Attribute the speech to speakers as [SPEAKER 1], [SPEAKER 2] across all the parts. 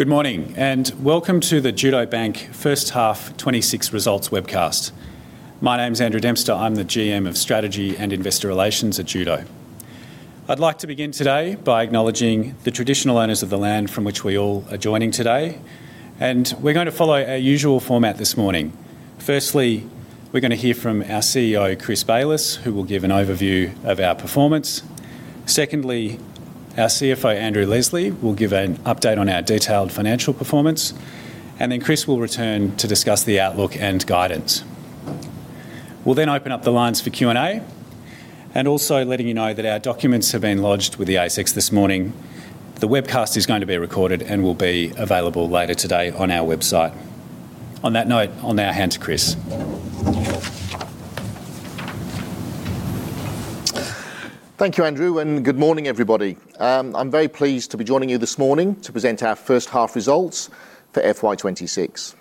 [SPEAKER 1] Good morning, and welcome to the Judo Bank first half 26 results webcast. My name is Andrew Dempster. I'm the GM of Strategy and Investor Relations at Judo. I'd like to begin today by acknowledging the traditional owners of the land from which we all are joining today, and we're going to follow our usual format this morning. Firstly, we're gonna hear from our CEO, Chris Bayliss, who will give an overview of our performance. Secondly, our CFO, Andrew Leslie, will give an update on our detailed financial performance, and then Chris will return to discuss the outlook and guidance. We'll then open up the lines for Q&A, and also letting you know that our documents have been lodged with the ASX this morning. The webcast is going to be recorded and will be available later today on our website. On that note, I'll now hand to Chris.
[SPEAKER 2] Thank you, Andrew, and good morning, everybody. I'm very pleased to be joining you this morning to present our first half results for FY 2026.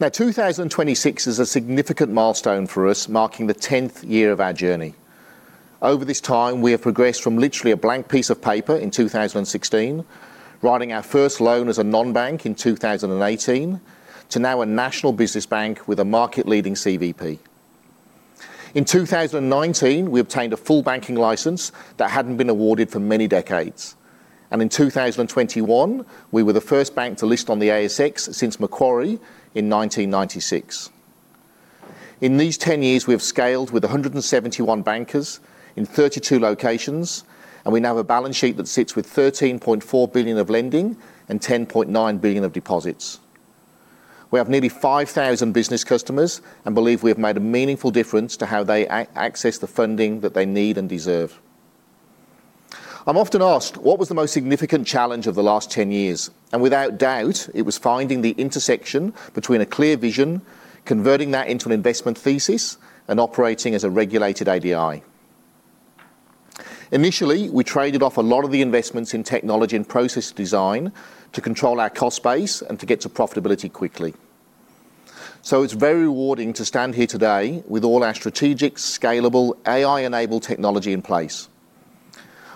[SPEAKER 2] Now, 2026 is a significant milestone for us, marking the 10th year of our journey. Over this time, we have progressed from literally a blank piece of paper in 2016, writing our first loan as a non-bank in 2018, to now a national business bank with a market-leading CVP. In 2019, we obtained a full banking license that hadn't been awarded for many decades, and in 2021, we were the first bank to list on the ASX since Macquarie in 1996. In these 10 years, we have scaled with 171 bankers in 32 locations, and we now have a balance sheet that sits with 13.4 billion of lending and 10.9 billion of deposits. We have nearly 5,000 business customers and believe we have made a meaningful difference to how they access the funding that they need and deserve. I'm often asked, "What was the most significant challenge of the last 10 years?" Without doubt, it was finding the intersection between a clear vision, converting that into an investment thesis, and operating as a regulated ADI. Initially, we traded off a lot of the investments in technology and process design to control our cost base and to get to profitability quickly. So it's very rewarding to stand here today with all our strategic, scalable, AI-enabled technology in place.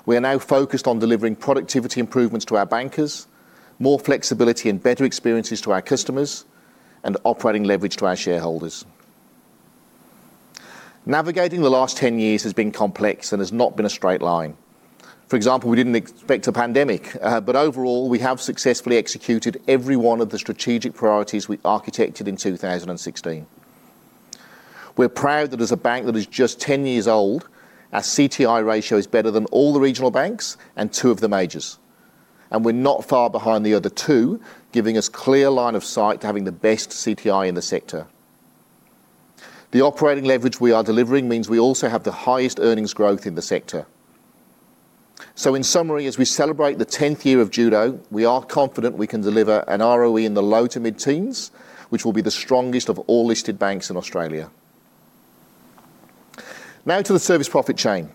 [SPEAKER 2] We are now focused on delivering productivity improvements to our bankers, more flexibility and better experiences to our customers, and operating leverage to our shareholders. Navigating the last 10 years has been complex and has not been a straight line. For example, we didn't expect a pandemic, but overall, we have successfully executed every one of the strategic priorities we architected in 2016. We're proud that as a bank that is just 10 years old, our CTI ratio is better than all the regional banks and two of the majors, and we're not far behind the other two, giving us clear line of sight to having the best CTI in the sector. The operating leverage we are delivering means we also have the highest earnings growth in the sector. So in summary, as we celebrate the tenth year of Judo, we are confident we can deliver an ROE in the low to mid-teens, which will be the strongest of all listed banks in Australia. Now to the Service Profit Chain.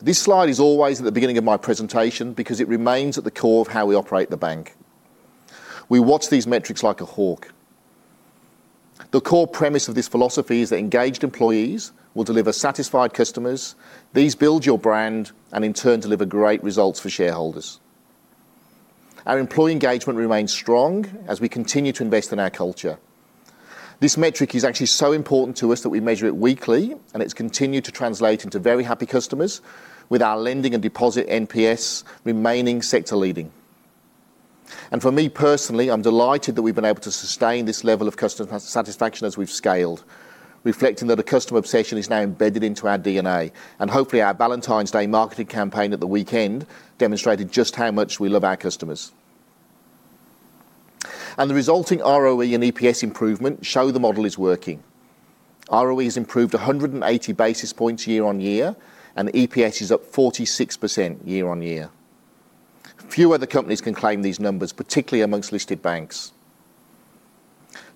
[SPEAKER 2] This slide is always at the beginning of my presentation because it remains at the core of how we operate the bank. We watch these metrics like a hawk. The core premise of this philosophy is that engaged employees will deliver satisfied customers. These build your brand and, in turn, deliver great results for shareholders. Our employee engagement remains strong as we continue to invest in our culture. This metric is actually so important to us that we measure it weekly, and it's continued to translate into very happy customers, with our lending and deposit NPS remaining sector-leading. For me personally, I'm delighted that we've been able to sustain this level of customer satisfaction as we've scaled, reflecting that a customer obsession is now embedded into our DNA, and hopefully, our Valentine's Day marketing campaign at the weekend demonstrated just how much we love our customers. The resulting ROE and EPS improvement show the model is working. ROE has improved 180 basis points year-on-year, and the EPS is up 46% year-on-year. Few other companies can claim these numbers, particularly amongst listed banks.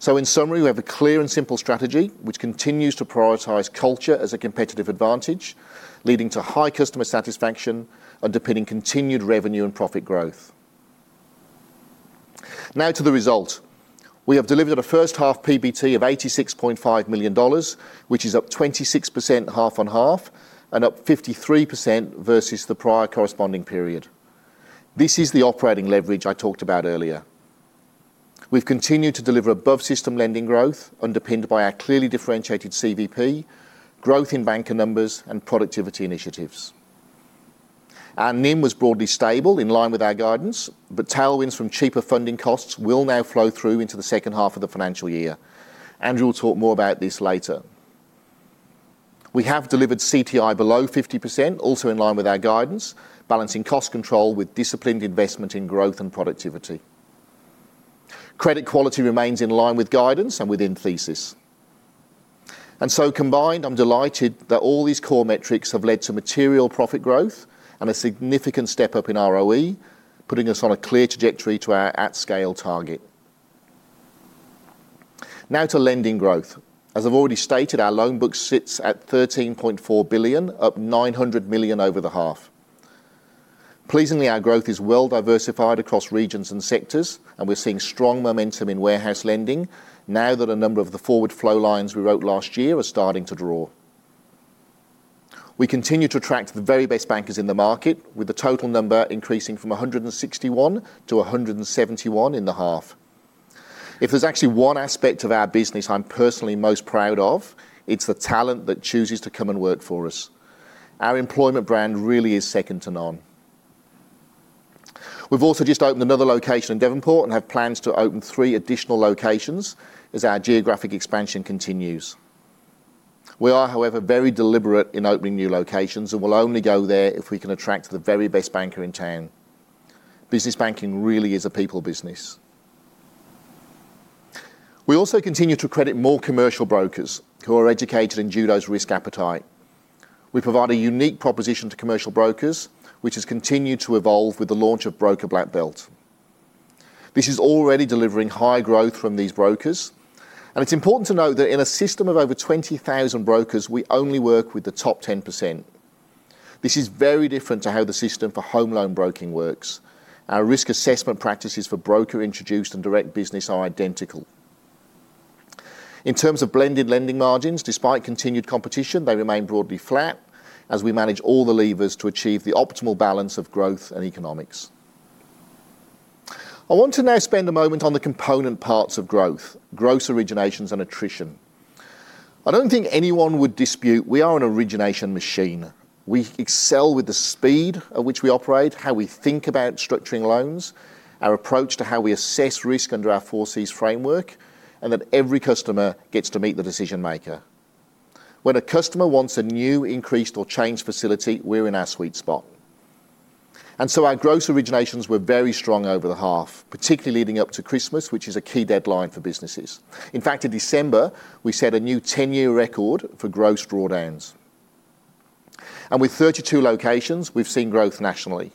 [SPEAKER 2] So in summary, we have a clear and simple strategy, which continues to prioritize culture as a competitive advantage, leading to high customer satisfaction and underpinning continued revenue and profit growth. Now to the result. We have delivered a first-half PBT of 86.5 million dollars, which is up 26% half on half and up 53% versus the prior corresponding period. This is the operating leverage I talked about earlier. We've continued to deliver above-system lending growth, underpinned by our clearly differentiated CVP, growth in banker numbers, and productivity initiatives. Our NIM was broadly stable, in line with our guidance, but tailwinds from cheaper funding costs will now flow through into the second half of the financial year. Andrew will talk more about this later. We have delivered CTI below 50%, also in line with our guidance, balancing cost control with disciplined investment in growth and productivity. Credit quality remains in line with guidance and within thesis. And so, combined, I'm delighted that all these core metrics have led to material profit growth and a significant step-up in ROE, putting us on a clear trajectory to our at-scale target. Now to lending growth. As I've already stated, our loan book sits at 13.4 billion, up 900 million over the half. Pleasingly, our growth is well diversified across regions and sectors, and we're seeing strong momentum in warehouse lending now that a number of the forward flow lines we wrote last year are starting to draw. We continue to attract the very best bankers in the market, with the total number increasing from 161 to 171 in the half. If there's actually one aspect of our business I'm personally most proud of, it's the talent that chooses to come and work for us. Our employment brand really is second to none. We've also just opened another location in Devonport and have plans to open 3 additional locations as our geographic expansion continues. We are, however, very deliberate in opening new locations, and we'll only go there if we can attract the very best banker in town. Business banking really is a people business. We also continue to credit more commercial brokers who are educated in Judo's risk appetite. We provide a unique proposition to commercial brokers, which has continued to evolve with the launch of Broker Black Belt. This is already delivering high growth from these brokers, and it's important to note that in a system of over 20,000 brokers, we only work with the top 10%. This is very different to how the system for home loan broking works. Our risk assessment practices for broker-introduced and direct business are identical. In terms of blended lending margins, despite continued competition, they remain broadly flat as we manage all the levers to achieve the optimal balance of growth and economics. I want to now spend a moment on the component parts of growth, gross originations, and attrition. I don't think anyone would dispute we are an origination machine. We excel with the speed at which we operate, how we think about structuring loans, our approach to how we assess risk under our Four Cs Framework, and that every customer gets to meet the decision maker. When a customer wants a new, increased, or changed facility, we're in our sweet spot. And so our gross originations were very strong over the half, particularly leading up to Christmas, which is a key deadline for businesses. In fact, in December, we set a new 10-year record for gross drawdowns. With 32 locations, we've seen growth nationally.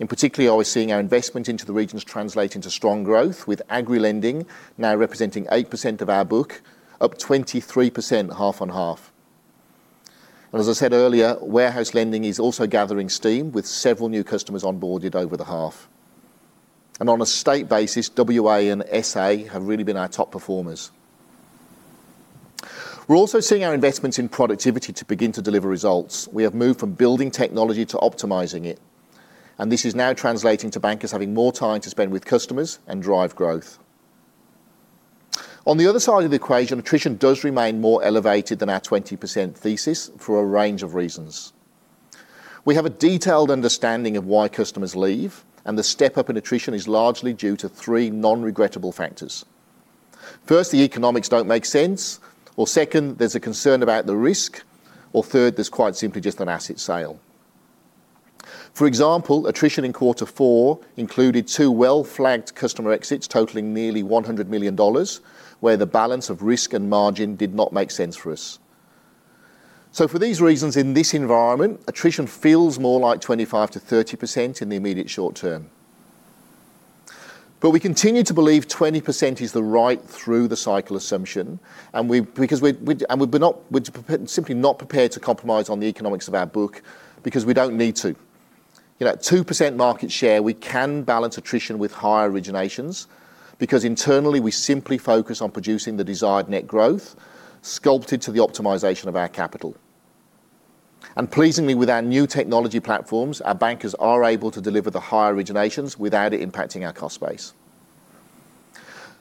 [SPEAKER 2] In particular, we're seeing our investment into the regions translate into strong growth, with Agri lending now representing 8% of our book, up 23%, half on half. As I said earlier, warehouse lending is also gathering steam, with several new customers onboarded over the half. On a state basis, WA and SA have really been our top performers. We're also seeing our investments in productivity to begin to deliver results. We have moved from building technology to optimizing it, and this is now translating to bankers having more time to spend with customers and drive growth. On the other side of the equation, attrition does remain more elevated than our 20% thesis for a range of reasons. We have a detailed understanding of why customers leave, and the step-up in attrition is largely due to three non-regrettable factors. First, the economics don't make sense, or second, there's a concern about the risk, or third, there's quite simply just an asset sale. For example, attrition in quarter four included two well-flagged customer exits, totaling nearly 100 million dollars, where the balance of risk and margin did not make sense for us. So for these reasons, in this environment, attrition feels more like 25%-30% in the immediate short term. But we continue to believe 20% is the right through the cycle assumption, and we're simply not prepared to compromise on the economics of our book because we don't need to. You know, at 2% market share, we can balance attrition with higher originations, because internally, we simply focus on producing the desired net growth, sculpted to the optimization of our capital. And pleasingly, with our new technology platforms, our bankers are able to deliver the higher originations without it impacting our cost base.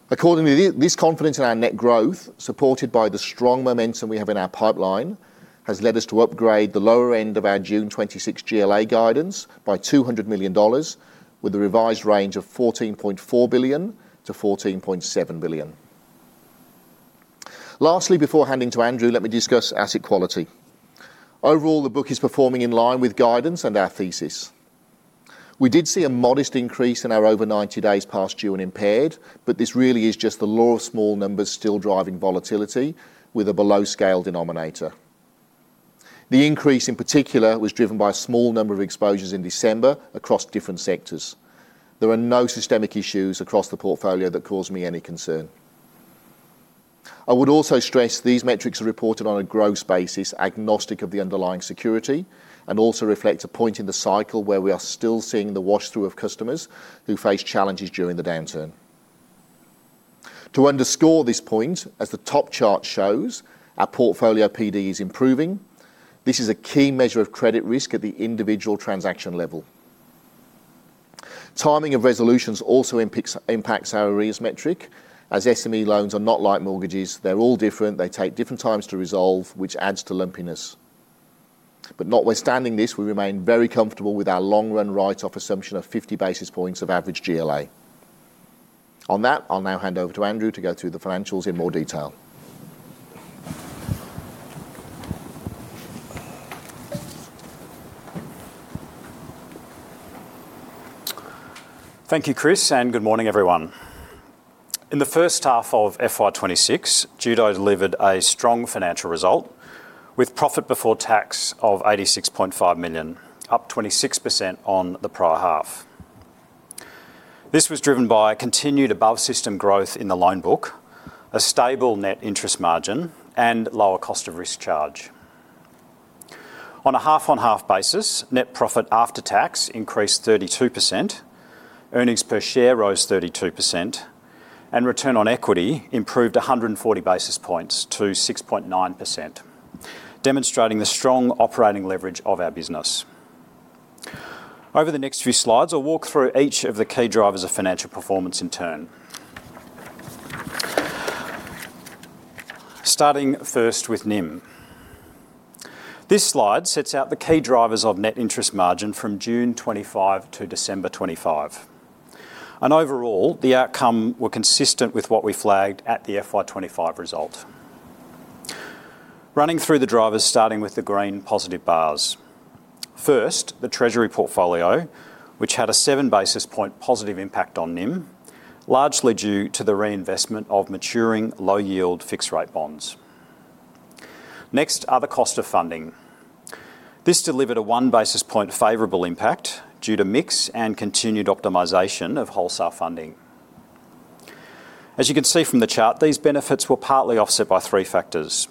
[SPEAKER 2] Accordingly, this confidence in our net growth, supported by the strong momentum we have in our pipeline, has led us to upgrade the lower end of our June 2026 GLA guidance by 200 million dollars, with a revised range of 14.4-14.7 billion. Lastly, before handing to Andrew, let me discuss asset quality. Overall, the book is performing in line with guidance and our thesis. We did see a modest increase in our over 90 days past due and impaired, but this really is just the law of small numbers still driving volatility with a below-scale denominator. The increase, in particular, was driven by a small number of exposures in December across different sectors. There are no systemic issues across the portfolio that cause me any concern. I would also stress these metrics are reported on a gross basis, agnostic of the underlying security, and also reflects a point in the cycle where we are still seeing the wash through of customers who face challenges during the downturn. To underscore this point, as the top chart shows, our portfolio PD is improving. This is a key measure of credit risk at the individual transaction level. Timing of resolutions also impacts our risk metric, as SME loans are not like mortgages. They're all different. They take different times to resolve, which adds to lumpiness. But notwithstanding this, we remain very comfortable with our long-run write-off assumption of 50 basis points of average GLA. On that, I'll now hand over to Andrew to go through the financials in more detail.
[SPEAKER 3] Thank you, Chris, and good morning, everyone. In the first half of FY 2026, Judo delivered a strong financial result with profit before tax of 86.5 million, up 26% on the prior half. This was driven by a continued above-system growth in the loan book, a stable net interest margin, and lower cost of risk charge. On a half-on-half basis, net profit after tax increased 32%, earnings per share rose 32%, and return on equity improved 140 basis points to 6.9%, demonstrating the strong operating leverage of our business. Over the next few slides, I'll walk through each of the key drivers of financial performance in turn. Starting first with NIM. This slide sets out the key drivers of net interest margin from June 2025 to December 2025, and overall, the outcome were consistent with what we flagged at the FY 2025 result. Running through the drivers, starting with the green positive bars. First, the treasury portfolio, which had a 7 basis point positive impact on NIM, largely due to the reinvestment of maturing low-yield fixed-rate bonds. Next, are the cost of funding. This delivered a 1 basis point favorable impact due to mix and continued optimization of wholesale funding. As you can see from the chart, these benefits were partly offset by three factors: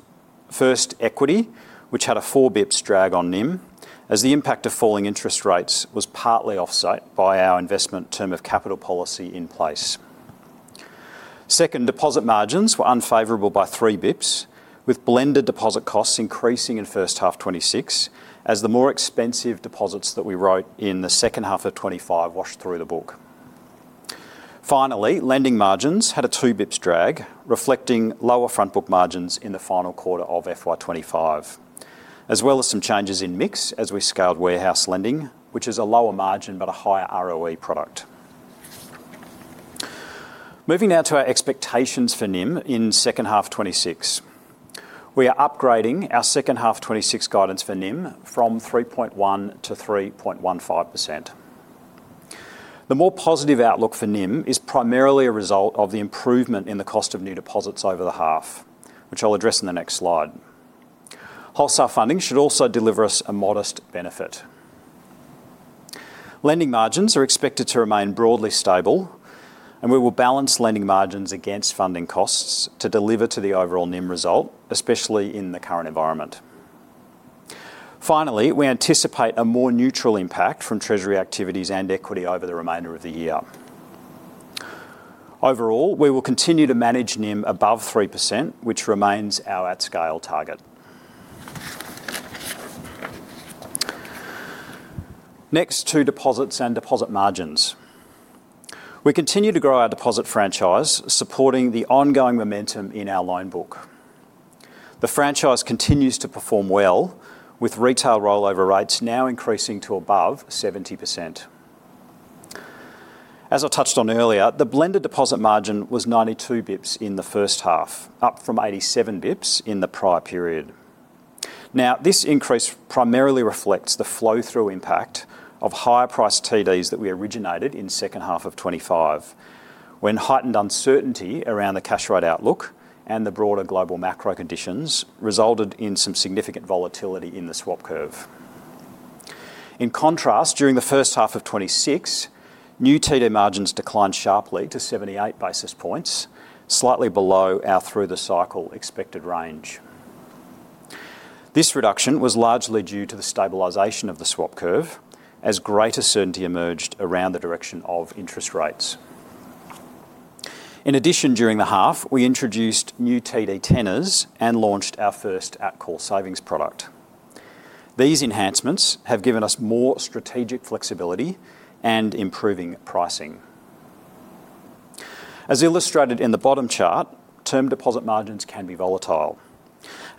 [SPEAKER 3] First, equity, which had a 4 basis points drag on NIM, as the impact of falling interest rates was partly offset by our investment term of capital policy in place. Second, deposit margins were unfavorable by 3 bps, with blended deposit costs increasing in first half 2026, as the more expensive deposits that we wrote in the second half of 2025 washed through the book. Finally, lending margins had a 2 bps drag, reflecting lower front book margins in the final quarter of FY 2025, as well as some changes in mix as we scaled warehouse lending, which is a lower margin but a higher ROE product. Moving now to our expectations for NIM in second half 2026. We are upgrading our second half 2026 guidance for NIM from 3.1% to 3.15%. The more positive outlook for NIM is primarily a result of the improvement in the cost of new deposits over the half, which I'll address in the next slide. Wholesale funding should also deliver us a modest benefit. Lending margins are expected to remain broadly stable, and we will balance lending margins against funding costs to deliver to the overall NIM result, especially in the current environment. Finally, we anticipate a more neutral impact from treasury activities and equity over the remainder of the year. Overall, we will continue to manage NIM above 3%, which remains our at-scale target. Next, to deposits and deposit margins. We continue to grow our deposit franchise, supporting the ongoing momentum in our loan book. The franchise continues to perform well, with retail rollover rates now increasing to above 70%. As I touched on earlier, the blended deposit margin was 92 basis points in the first half, up from 87 basis points in the prior period. Now, this increase primarily reflects the flow-through impact of higher priced TDs that we originated in second half of 2025, when heightened uncertainty around the cash rate outlook and the broader global macro conditions resulted in some significant volatility in the swap curve. In contrast, during the first half of 2026, new TD margins declined sharply to 78 basis points, slightly below our through-the-cycle expected range. This reduction was largely due to the stabilization of the swap curve as greater certainty emerged around the direction of interest rates. In addition, during the half, we introduced new TD tenors and launched our first at-call savings product. These enhancements have given us more strategic flexibility and improving pricing. As illustrated in the bottom chart, term deposit margins can be volatile,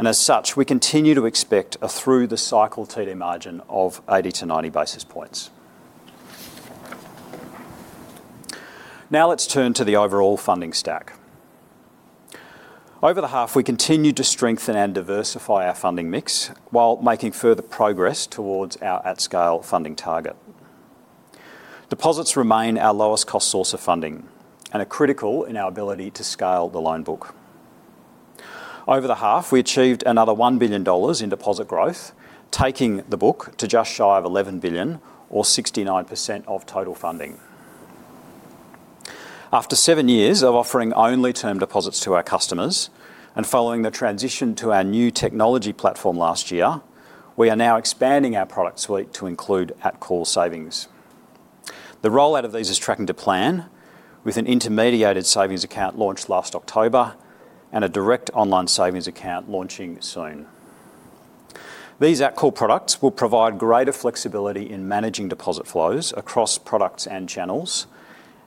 [SPEAKER 3] and as such, we continue to expect a through-the-cycle TD margin of 80-90 basis points. Now, let's turn to the overall funding stack. Over the half, we continued to strengthen and diversify our funding mix while making further progress towards our at-scale funding target. Deposits remain our lowest cost source of funding and are critical in our ability to scale the loan book. Over the half, we achieved another 1 billion dollars in deposit growth, taking the book to just shy of 11 billion or 69% of total funding. After seven years of offering only term deposits to our customers and following the transition to our new technology platform last year, we are now expanding our product suite to include at-call savings. The rollout of these is tracking to plan, with an intermediated savings account launched last October and a direct online savings account launching soon. These at-call products will provide greater flexibility in managing deposit flows across products and channels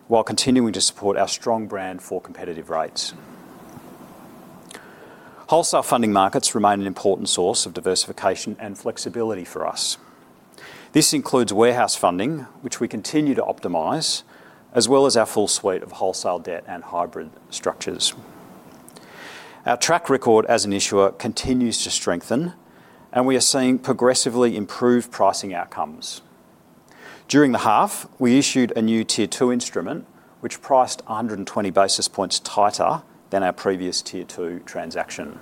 [SPEAKER 3] while continuing to support our strong brand for competitive rates. Wholesale funding markets remain an important source of diversification and flexibility for us. This includes warehouse funding, which we continue to optimize, as well as our full suite of wholesale debt and hybrid structures. Our track record as an issuer continues to strengthen, and we are seeing progressively improved pricing outcomes. During the half, we issued a new Tier Two instrument, which priced 120 basis points tighter than our previous Tier Two transaction.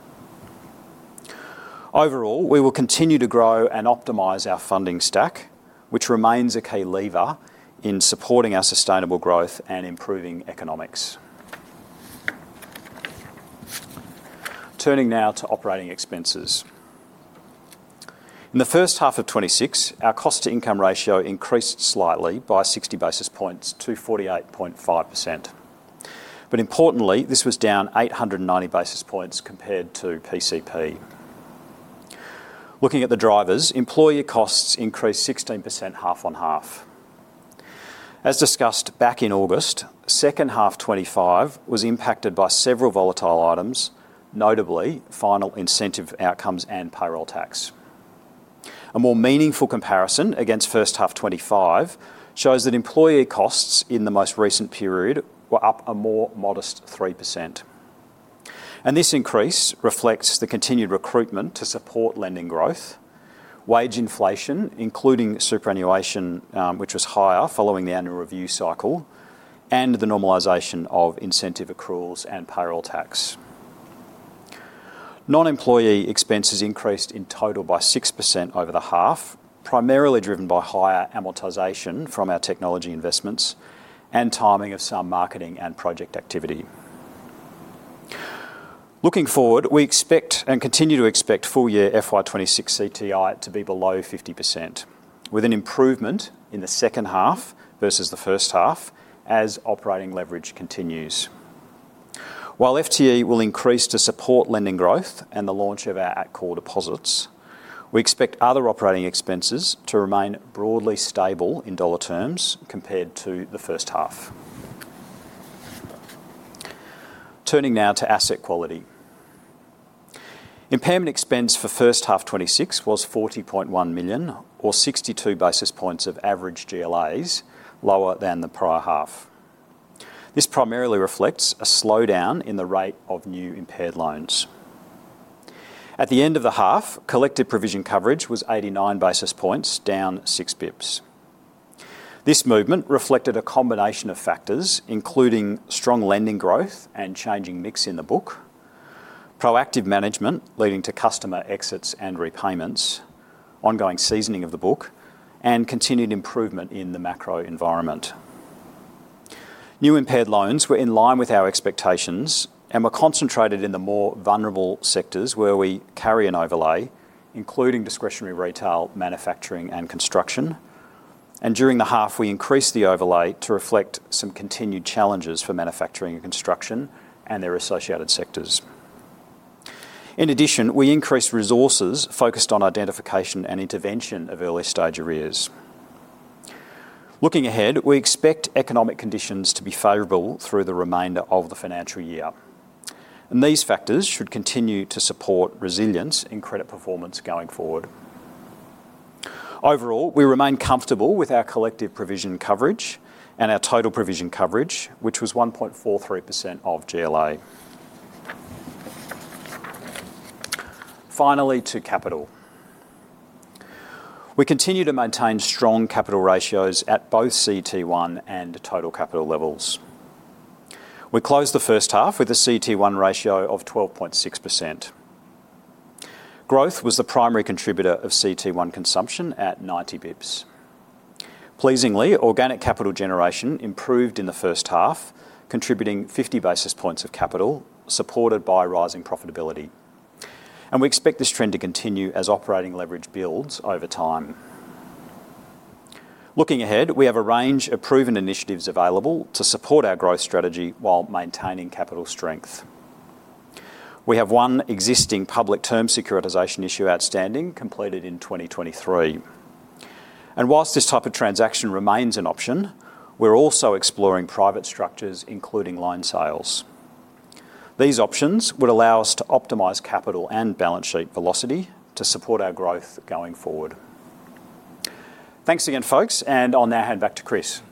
[SPEAKER 3] Overall, we will continue to grow and optimize our funding stack, which remains a key lever in supporting our sustainable growth and improving economics. Turning now to operating expenses. In the first half of 2026, our cost-to-income ratio increased slightly by 60 basis points to 48.5%. But importantly, this was down 890 basis points compared to PCP. Looking at the drivers, employee costs increased 16% half on half. As discussed back in August, second half 2025 was impacted by several volatile items, notably final incentive outcomes and payroll tax. A more meaningful comparison against first half 2025 shows that employee costs in the most recent period were up a more modest 3%. And this increase reflects the continued recruitment to support lending growth, wage inflation, including superannuation, which was higher following the annual review cycle, and the normalization of incentive accruals and payroll tax. Non-employee expenses increased in total by 6% over the half, primarily driven by higher amortization from our technology investments and timing of some marketing and project activity. Looking forward, we expect and continue to expect full year FY 2026 CTI to be below 50%, with an improvement in the second half versus the first half as operating leverage continues. While FTE will increase to support lending growth and the launch of our at-call deposits, we expect other operating expenses to remain broadly stable in dollar terms compared to the first half. Turning now to asset quality. Impairment expense for first half 2026 was 40.1 million or 62 basis points of average GLAs, lower than the prior half. This primarily reflects a slowdown in the rate of new impaired loans. At the end of the half, collected provision coverage was 89 basis points, down 6 bps. This movement reflected a combination of factors, including strong lending growth and changing mix in the book, proactive management leading to customer exits and repayments, ongoing seasoning of the book, and continued improvement in the macro environment. New impaired loans were in line with our expectations and were concentrated in the more vulnerable sectors where we carry an overlay, including discretionary retail, manufacturing, and construction. During the half, we increased the overlay to reflect some continued challenges for manufacturing and construction and their associated sectors. In addition, we increased resources focused on identification and intervention of early-stage arrears. Looking ahead, we expect economic conditions to be favorable through the remainder of the financial year, and these factors should continue to support resilience in credit performance going forward. Overall, we remain comfortable with our collective provision coverage and our total provision coverage, which was 1.43% of GLA. Finally, to capital. We continue to maintain strong capital ratios at both CET1 and total capital levels. We closed the first half with a CET1 ratio of 12.6%. Growth was the primary contributor of CET1 consumption at 90 basis points. Pleasingly, organic capital generation improved in the first half, contributing 50 basis points of capital, supported by rising profitability. And we expect this trend to continue as operating leverage builds over time. Looking ahead, we have a range of proven initiatives available to support our growth strategy while maintaining capital strength. We have one existing public term securitization issue outstanding, completed in 2023. And while this type of transaction remains an option, we're also exploring private structures, including line sales. These options would allow us to optimize capital and balance sheet velocity to support our growth going forward. Thanks again, folks, and I'll now hand back to Chris.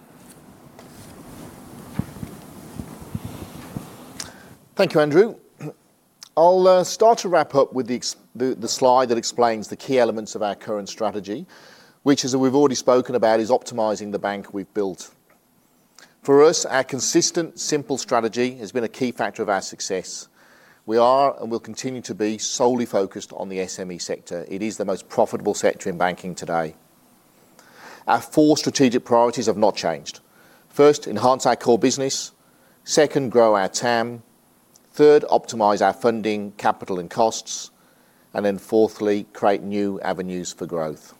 [SPEAKER 2] Thank you, Andrew. I'll start to wrap up with the slide that explains the key elements of our current strategy, which as we've already spoken about, is optimizing the bank we've built. For us, our consistent, simple strategy has been a key factor of our success. We are, and will continue to be, solely focused on the SME sector. It is the most profitable sector in banking today. Our four strategic priorities have not changed. First, enhance our core business. Second, grow our TAM. Third, optimize our funding, capital, and costs. And then fourthly, create new avenues for growth.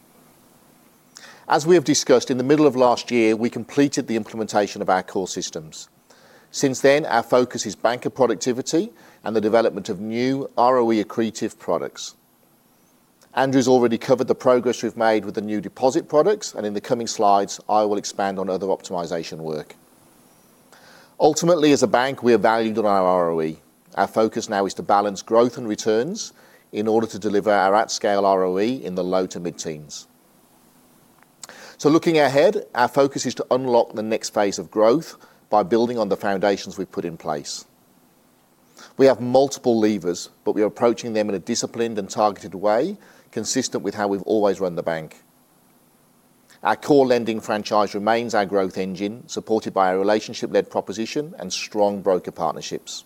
[SPEAKER 2] As we have discussed, in the middle of last year, we completed the implementation of our core systems. Since then, our focus is banker productivity and the development of new ROE accretive products. Andrew's already covered the progress we've made with the new deposit products, and in the coming slides, I will expand on other optimization work. Ultimately, as a bank, we are valued on our ROE. Our focus now is to balance growth and returns in order to deliver our at-scale ROE in the low to mid-teens. So looking ahead, our focus is to unlock the next phase of growth by building on the foundations we've put in place. We have multiple levers, but we are approaching them in a disciplined and targeted way, consistent with how we've always run the bank. Our core lending franchise remains our growth engine, supported by our relationship-led proposition and strong broker partnerships.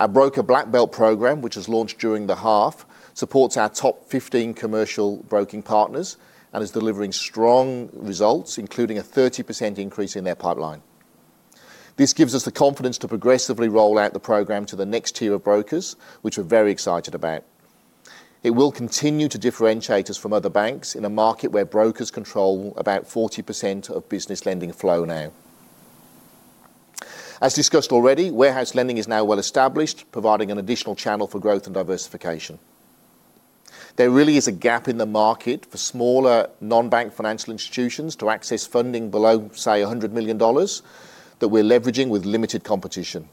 [SPEAKER 2] Our Broker Black Belt program, which was launched during the half, supports our top 15 commercial broking partners and is delivering strong results, including a 30% increase in their pipeline. This gives us the confidence to progressively roll out the program to the next tier of brokers, which we're very excited about. It will continue to differentiate us from other banks in a market where brokers control about 40% of business lending flow now. As discussed already, warehouse lending is now well established, providing an additional channel for growth and diversification. There really is a gap in the market for smaller, non-bank financial institutions to access funding below, say, 100 million dollars, that we're leveraging with limited competition.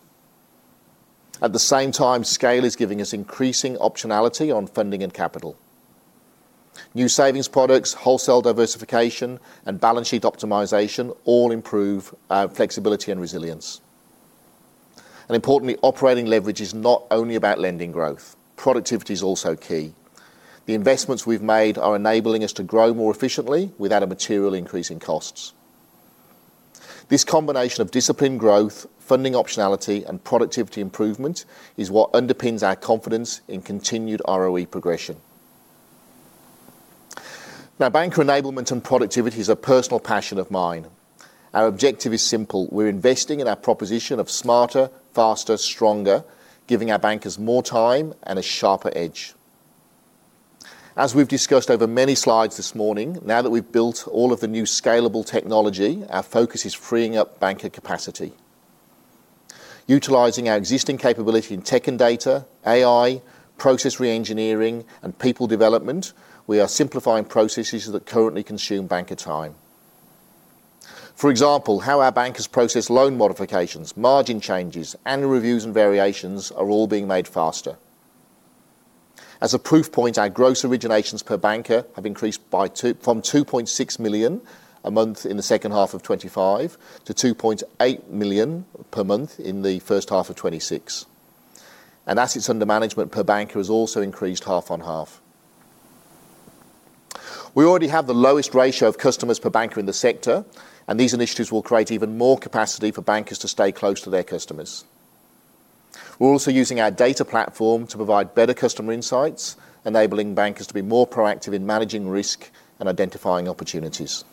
[SPEAKER 2] At the same time, scale is giving us increasing optionality on funding and capital. New savings products, wholesale diversification, and balance sheet optimization all improve flexibility and resilience. Importantly, operating leverage is not only about lending growth. Productivity is also key. The investments we've made are enabling us to grow more efficiently without a material increase in costs. This combination of disciplined growth, funding optionality, and productivity improvement is what underpins our confidence in continued ROE progression. Now, banker enablement and productivity is a personal passion of mine. Our objective is simple: We're investing in our proposition of smarter, faster, stronger, giving our bankers more time and a sharper edge. As we've discussed over many slides this morning, now that we've built all of the new scalable technology, our focus is freeing up banker capacity. Utilizing our existing capability in tech and data, AI, process reengineering, and people development, we are simplifying processes that currently consume banker time. For example, how our bankers process loan modifications, margin changes, annual reviews, and variations are all being made faster. As a proof point, our gross originations per banker have increased by 2.6 million a month in the second half of 2025, to 2.8 million per month in the first half of 2026. And assets under management per banker has also increased half on half. We already have the lowest ratio of customers per banker in the sector, and these initiatives will create even more capacity for bankers to stay close to their customers. We're also using our data platform to provide better customer insights, enabling bankers to be more proactive in managing risk and identifying opportunities.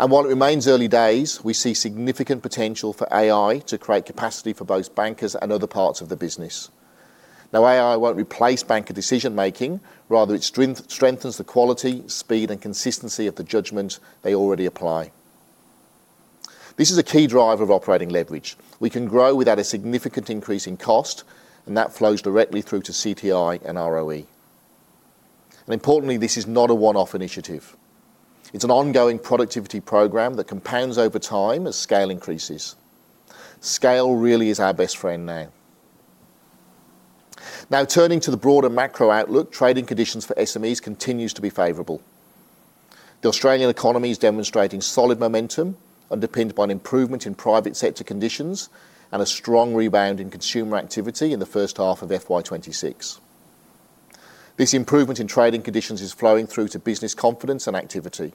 [SPEAKER 2] And while it remains early days, we see significant potential for AI to create capacity for both bankers and other parts of the business. Now, AI won't replace banker decision-making, rather, it strengthens the quality, speed, and consistency of the judgment they already apply. This is a key driver of operating leverage. We can grow without a significant increase in cost, and that flows directly through to CTI and ROE. Importantly, this is not a one-off initiative. It's an ongoing productivity program that compounds over time as scale increases. Scale really is our best friend now. Now, turning to the broader macro outlook, trading conditions for SMEs continues to be favorable. The Australian economy is demonstrating solid momentum, underpinned by an improvement in private sector conditions and a strong rebound in consumer activity in the first half of FY 2026. This improvement in trading conditions is flowing through to business confidence and activity,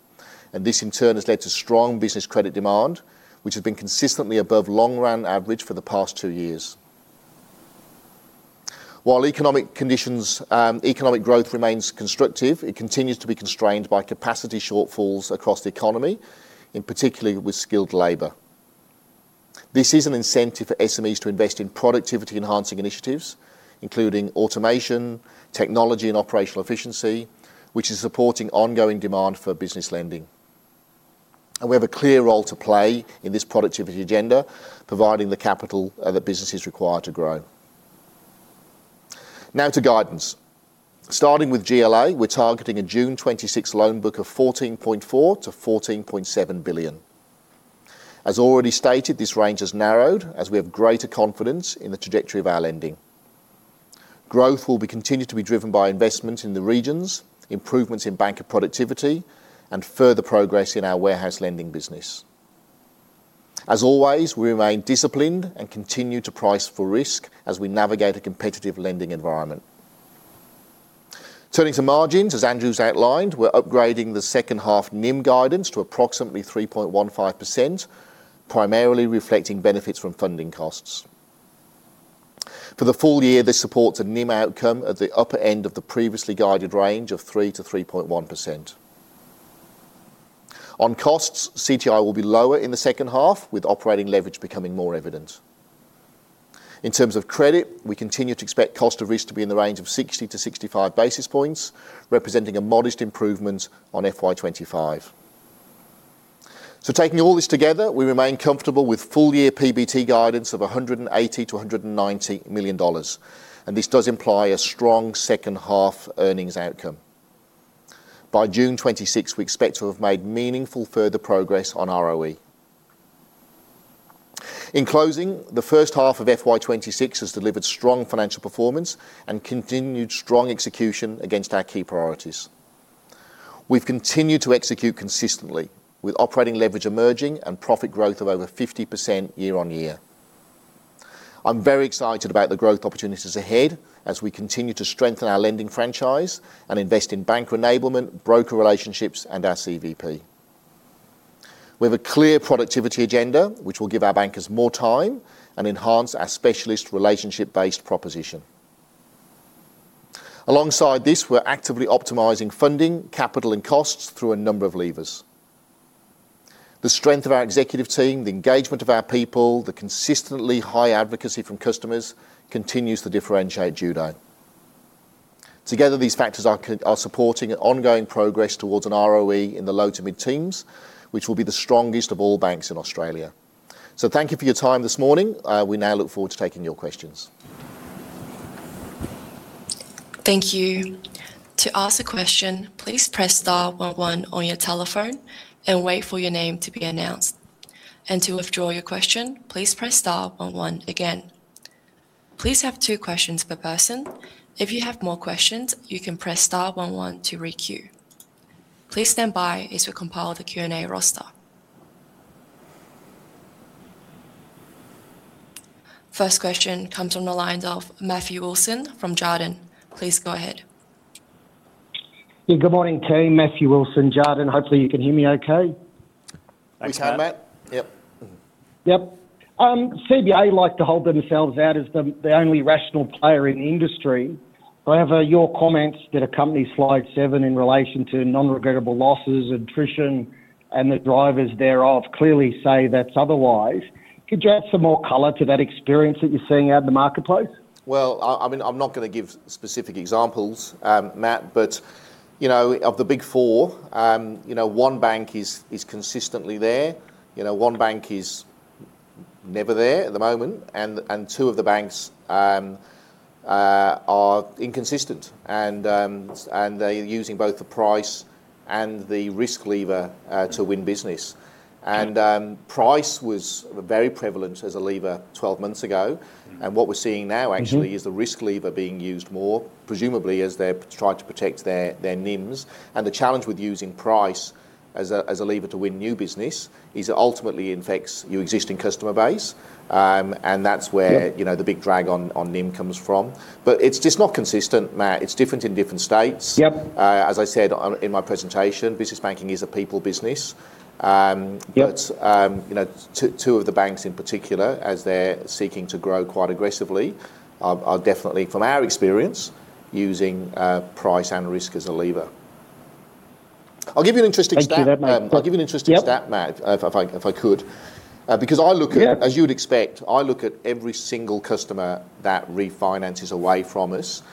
[SPEAKER 2] and this, in turn, has led to strong business credit demand, which has been consistently above long-run average for the past two years. While economic conditions, economic growth remains constructive, it continues to be constrained by capacity shortfalls across the economy, in particular with skilled labor. This is an incentive for SMEs to invest in productivity-enhancing initiatives, including automation, technology, and operational efficiency, which is supporting ongoing demand for business lending. And we have a clear role to play in this productivity agenda, providing the capital that businesses require to grow. Now to guidance. Starting with GLA, we're targeting a June 2026 loan book of 14.4-14.7 billion. As already stated, this range has narrowed as we have greater confidence in the trajectory of our lending. Growth will be continued to be driven by investment in the regions, improvements in banker productivity, and further progress in our warehouse lending business. As always, we remain disciplined and continue to price for risk as we navigate a competitive lending environment. Turning to margins, as Andrew's outlined, we're upgrading the second half NIM guidance to approximately 3.15%, primarily reflecting benefits from funding costs. For the full year, this supports a NIM outcome at the upper end of the previously guided range of 3%-3.1%. On costs, CTI will be lower in the second half, with operating leverage becoming more evident. In terms of credit, we continue to expect cost of risk to be in the range of 60-65 basis points, representing a modest improvement on FY 2025. So taking all this together, we remain comfortable with full-year PBT guidance of 180 million-190 million dollars, and this does imply a strong second-half earnings outcome. By June 2026, we expect to have made meaningful further progress on ROE. In closing, the first half of FY 2026 has delivered strong financial performance and continued strong execution against our key priorities. We've continued to execute consistently, with operating leverage emerging and profit growth of over 50% year-on-year. I'm very excited about the growth opportunities ahead as we continue to strengthen our lending franchise and invest in banker enablement, broker relationships, and our CVP. We have a clear productivity agenda, which will give our bankers more time and enhance our specialist relationship-based proposition. Alongside this, we're actively optimizing funding, capital, and costs through a number of levers. The strength of our executive team, the engagement of our people, the consistently high advocacy from customers continues to differentiate Judo. Together, these factors are supporting an ongoing progress towards an ROE in the low to mid-teens, which will be the strongest of all banks in Australia. So thank you for your time this morning. We now look forward to taking your questions.
[SPEAKER 4] Thank you. To ask a question, please press star one one on your telephone and wait for your name to be announced. To withdraw your question, please press star one one again. Please have two questions per person. If you have more questions, you can press star one one to re-queue. Please stand by as we compile the Q&A roster. First question comes from the lines of Matthew Wilson from Jarden. Please go ahead.
[SPEAKER 5] Yeah, good morning, team. Matthew Wilson, Jarden. Hopefully, you can hear me okay.
[SPEAKER 2] We can, Matt. Yep.
[SPEAKER 5] Yep. CBA like to hold themselves out as the, the only rational player in the industry. However, your comments that accompany slide seven in relation to non-regrettable losses, attrition, and the drivers thereof, clearly say that's otherwise. Could you add some more color to that experience that you're seeing out in the marketplace?
[SPEAKER 2] Well, I mean, I'm not gonna give specific examples, Matt, but, you know, of the Big Four, you know, one bank is consistently there, you know, one bank is never there at the moment, and two of the banks are inconsistent, and they're using both the price and the risk lever to win business.
[SPEAKER 5] Yep.
[SPEAKER 2] Price was very prevalent as a lever twelve months ago.
[SPEAKER 5] Mm-hmm.
[SPEAKER 2] What we're seeing now, actually-
[SPEAKER 5] Mm-hmm
[SPEAKER 2] Is the risk lever being used more, presumably as they're trying to protect their, their NIMs. And the challenge with using price as a, as a lever to win new business is it ultimately infects your existing customer base. And that's where-
[SPEAKER 5] Yep
[SPEAKER 2] You know, the big drag on NIM comes from. But it's just not consistent, Matt. It's different in different states.
[SPEAKER 5] Yep.
[SPEAKER 2] As I said on, in my presentation, business banking is a people business.
[SPEAKER 5] Yep
[SPEAKER 2] But, you know, two, two of the banks in particular, as they're seeking to grow quite aggressively, are, are definitely, from our experience, using price and risk as a lever. I'll give you an interesting stat, Matt-
[SPEAKER 5] Thank you. Yep.
[SPEAKER 2] I'll give you an interesting stat, Matt, if I, if I could. Because I look at-
[SPEAKER 5] Yep
[SPEAKER 2] As you'd expect, I look at every single customer that refinances away from us,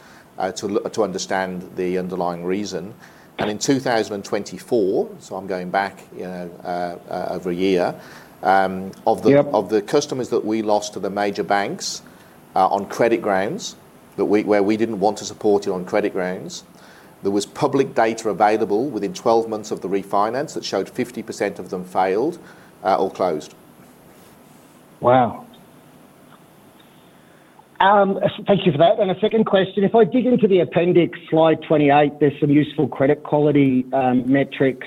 [SPEAKER 2] to understand the underlying reason. And in 2024, so I'm going back, you know, over a year, of the-
[SPEAKER 5] Yep
[SPEAKER 2] Of the customers that we lost to the major banks, on credit grounds, that we, where we didn't want to support it on credit grounds, there was public data available within 12 months of the refinance that showed 50% of them failed, or closed.
[SPEAKER 5] Wow. Thank you for that. And a second question: if I dig into the appendix, slide 28, there's some useful credit quality metrics.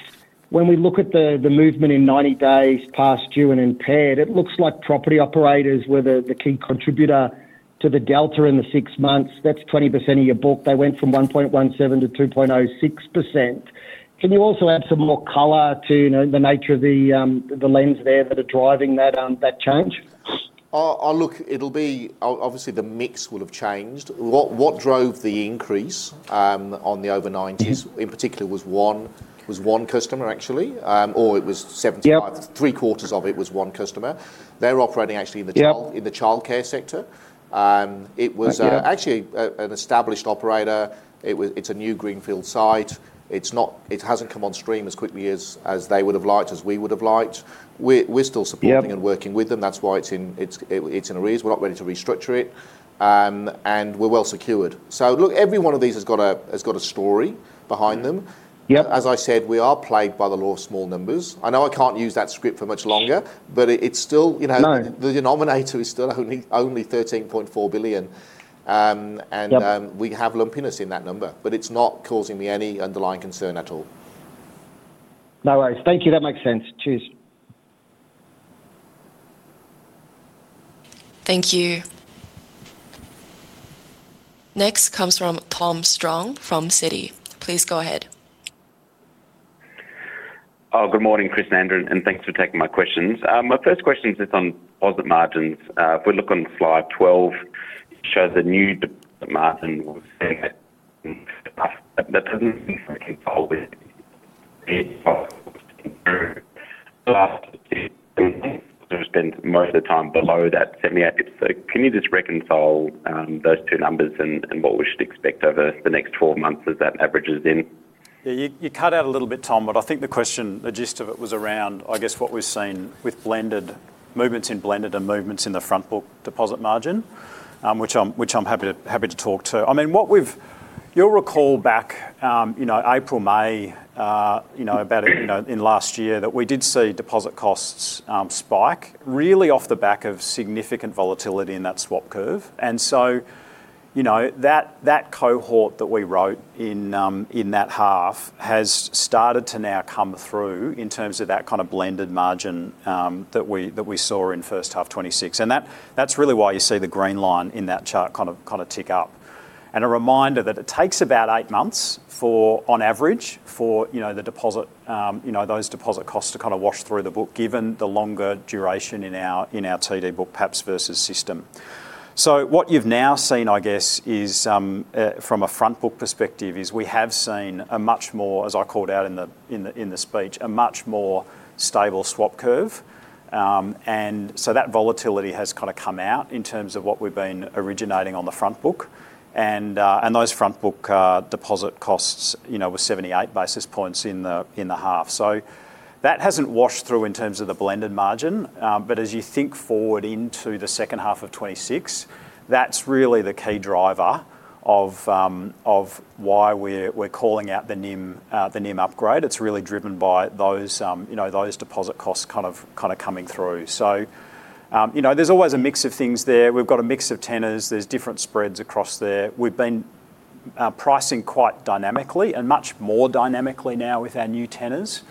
[SPEAKER 5] When we look at the movement in 90 days past due and impaired, it looks like property operators were the key contributor to the delta in the 6 months. That's 20% of your book. They went from 1.17% to 2.06%. Can you also add some more color to, you know, the nature of the loans there that are driving that change?
[SPEAKER 2] Look, it'll be obviously, the mix will have changed. What drove the increase on the over 90s, in particular, was one customer, actually, or it was 75-
[SPEAKER 5] Yep
[SPEAKER 2] Three-quarters of it was one customer. They're operating actually in the child-
[SPEAKER 5] Yep
[SPEAKER 2] In the childcare sector. It was-
[SPEAKER 5] Yep
[SPEAKER 2] Actually, an established operator. It's a new greenfield site. It hasn't come on stream as quickly as, as they would have liked, as we would have liked. We're, we're still supporting-
[SPEAKER 5] Yep
[SPEAKER 2] And working with them. That's why it's in arrears. We're not ready to restructure it, and we're well secured. So look, every one of these has got a story behind them.
[SPEAKER 5] Yep.
[SPEAKER 2] As I said, we are plagued by the law of small numbers. I know I can't use that script for much longer, but it's still, you know-
[SPEAKER 5] No
[SPEAKER 2] The denominator is still only, only 13.4 billion.
[SPEAKER 5] Yep
[SPEAKER 2] We have lumpiness in that number, but it's not causing me any underlying concern at all.
[SPEAKER 5] No worries. Thank you. That makes sense. Cheers.
[SPEAKER 4] Thank you. Next comes from Tom Strong, from Citi. Please go ahead.
[SPEAKER 6] Oh, good morning, Chris, Andrew, and thanks for taking my questions. My first question is just on deposit margins. If we look on slide 12, it shows a new margin, we're saying that, that doesn't seem to involve with it. Spends most of the time below that 78. So can you just reconcile those two numbers and what we should expect over the next 12 months as that averages in?
[SPEAKER 3] Yeah, you cut out a little bit, Tom, but I think the question, the gist of it was around, I guess, what we've seen with blended movements in blended and movements in the front book deposit margin, which I'm happy to talk to. I mean, what we've... You'll recall back, you know, April, May, you know, about, you know, in last year, that we did see deposit costs spike, really off the back of significant volatility in that swap curve. And so, you know, that cohort that we wrote in, in that half has started to now come through in terms of that kind of blended margin, that we saw in first half 2026. And that's really why you see the green line in that chart kind of tick up. A reminder that it takes about eight months for, on average, for, you know, the deposit, you know, those deposit costs to kind of wash through the book, given the longer duration in our, in our TD book, perhaps, versus system. So what you've now seen, I guess, is, from a front book perspective, is we have seen a much more, as I called out in the, in the, in the speech, a much more stable swap curve. And so that volatility has kind of come out in terms of what we've been originating on the front book. And, and those front book, deposit costs, you know, were 78 basis points in the, in the half. So that hasn't washed through in terms of the blended margin, but as you think forward into the second half of 2026, that's really the key driver of, of why we're, we're calling out the NIM, the NIM upgrade. It's really driven by those, you know, those deposit costs kind of, kind of coming through. So, you know, there's always a mix of things there. We've got a mix of tenors, there's different spreads across there. We've been, pricing quite dynamically and much more dynamically now with our new tenors,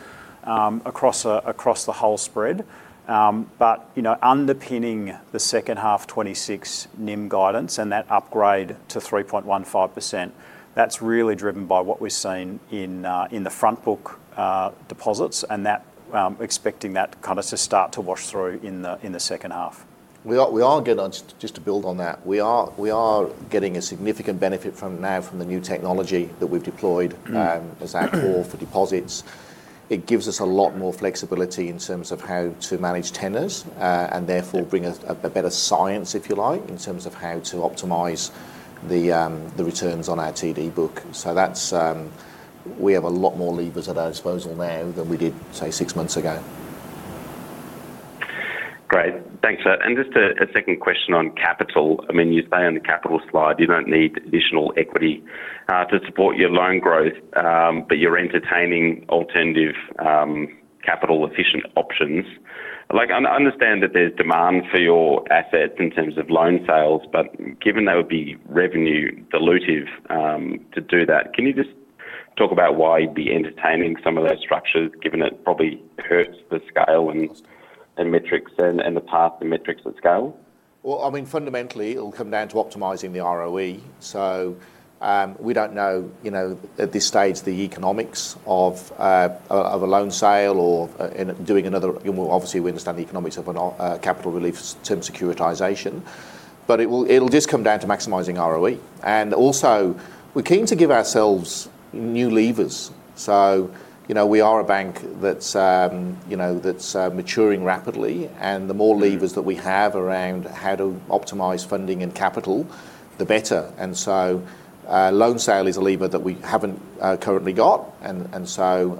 [SPEAKER 3] across, across the whole spread. But, you know, underpinning the second half 2026 NIM guidance and that upgrade to 3.15%, that's really driven by what we've seen in the front book deposits, and that, expecting that kind of to start to wash through in the second half.
[SPEAKER 2] Just to build on that, we are getting a significant benefit from the new technology that we've deployed as our core for deposits. It gives us a lot more flexibility in terms of how to manage tenors and therefore bring a better science, if you like, in terms of how to optimize the returns on our TD book. So that's. We have a lot more levers at our disposal now than we did, say, six months ago.
[SPEAKER 6] Great. Thanks for that. And just a second question on capital. I mean, you say on the capital slide, you don't need additional equity to support your loan growth, but you're entertaining alternative capital efficient options. Like, I understand that there's demand for your assets in terms of loan sales, but given they would be revenue dilutive to do that, can you just talk about why you'd be entertaining some of those structures, given it probably hurts the scale and metrics and the path to metrics and scale?
[SPEAKER 2] Well, I mean, fundamentally, it'll come down to optimizing the ROE. So, we don't know, you know, at this stage, the economics of, of a loan sale or, in doing another-- obviously, we understand the economics of a no- capital relief term securitization, but it will, it'll just come down to maximizing ROE. And also, we're keen to give ourselves new levers. So, you know, we are a bank that's, you know, that's, maturing rapidly, and the more levers that we have around how to optimize funding and capital, the better. And so, loan sale is a lever that we haven't, currently got, and, and so,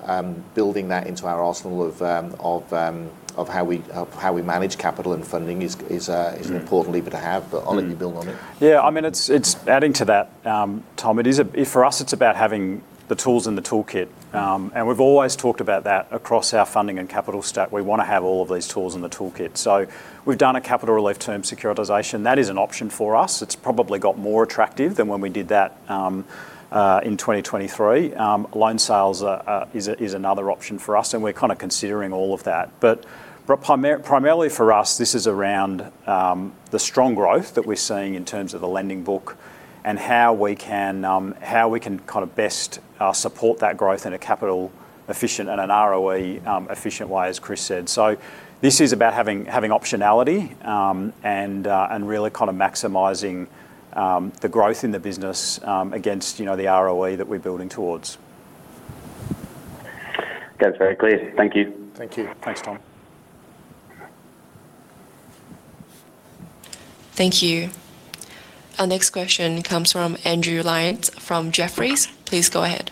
[SPEAKER 2] building that into our arsenal of, of, of how we, of how we manage capital and funding is, is, is an important lever to have. But I'll let you build on it.
[SPEAKER 3] Yeah, I mean, it's adding to that, Tom, it is for us, it's about having the tools in the toolkit. And we've always talked about that across our funding and capital stack. We want to have all of these tools in the toolkit. So we've done a capital relief term securitization. That is an option for us. It's probably got more attractive than when we did that in 2023. Loan sales are another option for us, and we're kind of considering all of that. But primarily for us, this is around the strong growth that we're seeing in terms of the lending book and how we can kind of best support that growth in a capital efficient and an ROE efficient way, as Chris said. So this is about having optionality, and really kind of maximizing the growth in the business against, you know, the ROE that we're building towards.
[SPEAKER 6] That's very clear. Thank you.
[SPEAKER 2] Thank you.
[SPEAKER 3] Thanks, Tom.
[SPEAKER 4] Thank you. Our next question comes from Andrew Lyons from Jefferies. Please go ahead.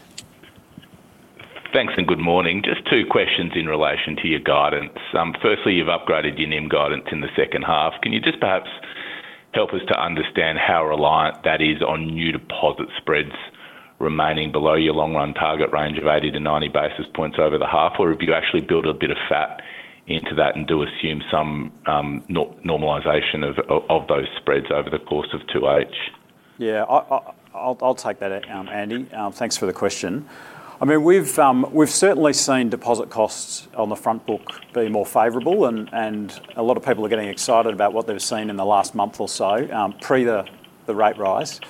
[SPEAKER 7] Thanks, and good morning. Just two questions in relation to your guidance. Firstly, you've upgraded your NIM guidance in the second half. Can you just perhaps help us to understand how reliant that is on new deposit spreads remaining below your long-run target range of 80-90 basis points over the half? Or have you actually built a bit of fat into that and do assume some normalization of those spreads over the course of 2H?
[SPEAKER 3] Yeah, I'll take that, Andy. Thanks for the question. I mean, we've certainly seen deposit costs on the front book be more favorable, and a lot of people are getting excited about what they've seen in the last month or so, pre the rate rise.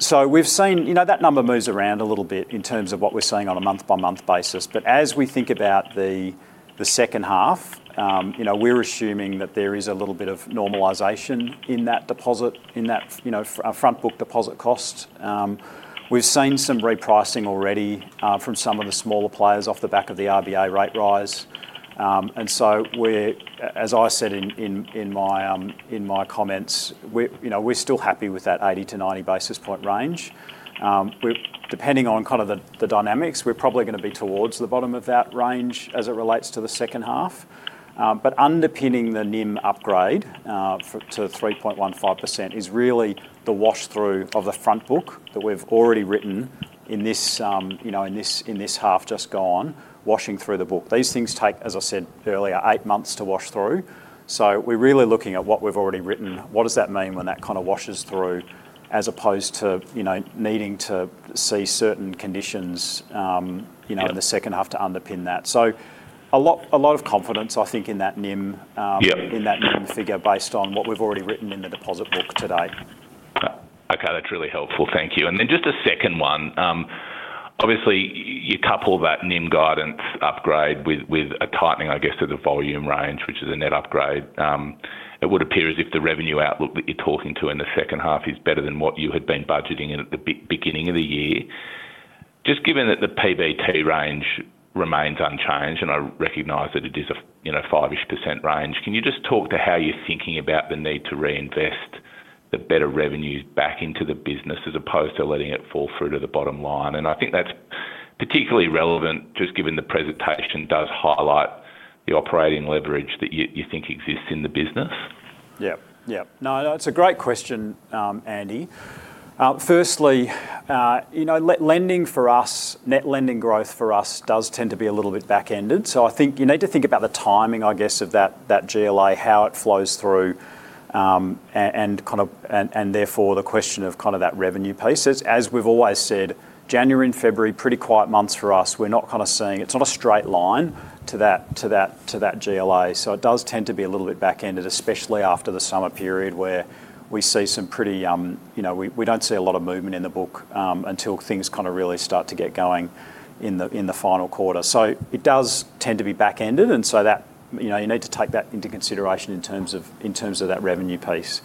[SPEAKER 3] So we've seen. You know, that number moves around a little bit in terms of what we're seeing on a month-by-month basis. But as we think about the second half, you know, we're assuming that there is a little bit of normalization in that deposit, in that front book deposit cost. We've seen some repricing already from some of the smaller players off the back of the RBA rate rise. And so we're, as I said in my comments, we're, you know, we're still happy with that 80-90 basis point range. Depending on kind of the dynamics, we're probably gonna be towards the bottom of that range as it relates to the second half. But underpinning the NIM upgrade to 3.15% is really the wash through of the front book that we've already written in this, you know, in this half, just gone, washing through the book. These things take, as I said earlier, 8 months to wash through. So we're really looking at what we've already written. What does that mean when that kind of washes through, as opposed to, you know, needing to see certain conditions, you know, in the second half to underpin that? So a lot, a lot of confidence, I think, in that NIM,
[SPEAKER 7] Yeah
[SPEAKER 3] In that NIM figure, based on what we've already written in the deposit book to date.
[SPEAKER 7] Okay, that's really helpful. Thank you. And then just a second one. Obviously, you couple that NIM guidance upgrade with a tightening, I guess, to the volume range, which is a net upgrade. It would appear as if the revenue outlook that you're talking to in the second half is better than what you had been budgeting at the beginning of the year. Just given that the PBT range remains unchanged, and I recognize that it is a, you know, 5% range, can you just talk to how you're thinking about the need to reinvest the better revenues back into the business as opposed to letting it fall through to the bottom line? And I think that's particularly relevant, just given the presentation does highlight the operating leverage that you think exists in the business.
[SPEAKER 3] Yeah. Yeah. No, it's a great question, Andy. Firstly, you know, lending for us, net lending growth for us does tend to be a little bit back-ended. So I think you need to think about the timing, I guess, of that GLA, how it flows through, and kind of and therefore, the question of kind of that revenue piece. As we've always said, January and February, pretty quiet months for us. We're not kind of seeing—It's not a straight line to that GLA, so it does tend to be a little bit back-ended, especially after the summer period, where we see some pretty, you know, we don't see a lot of movement in the book, until things kind of really start to get going in the final quarter. So it does tend to be back-ended, and so that, you know, you need to take that into consideration in terms of, in terms of that revenue piece.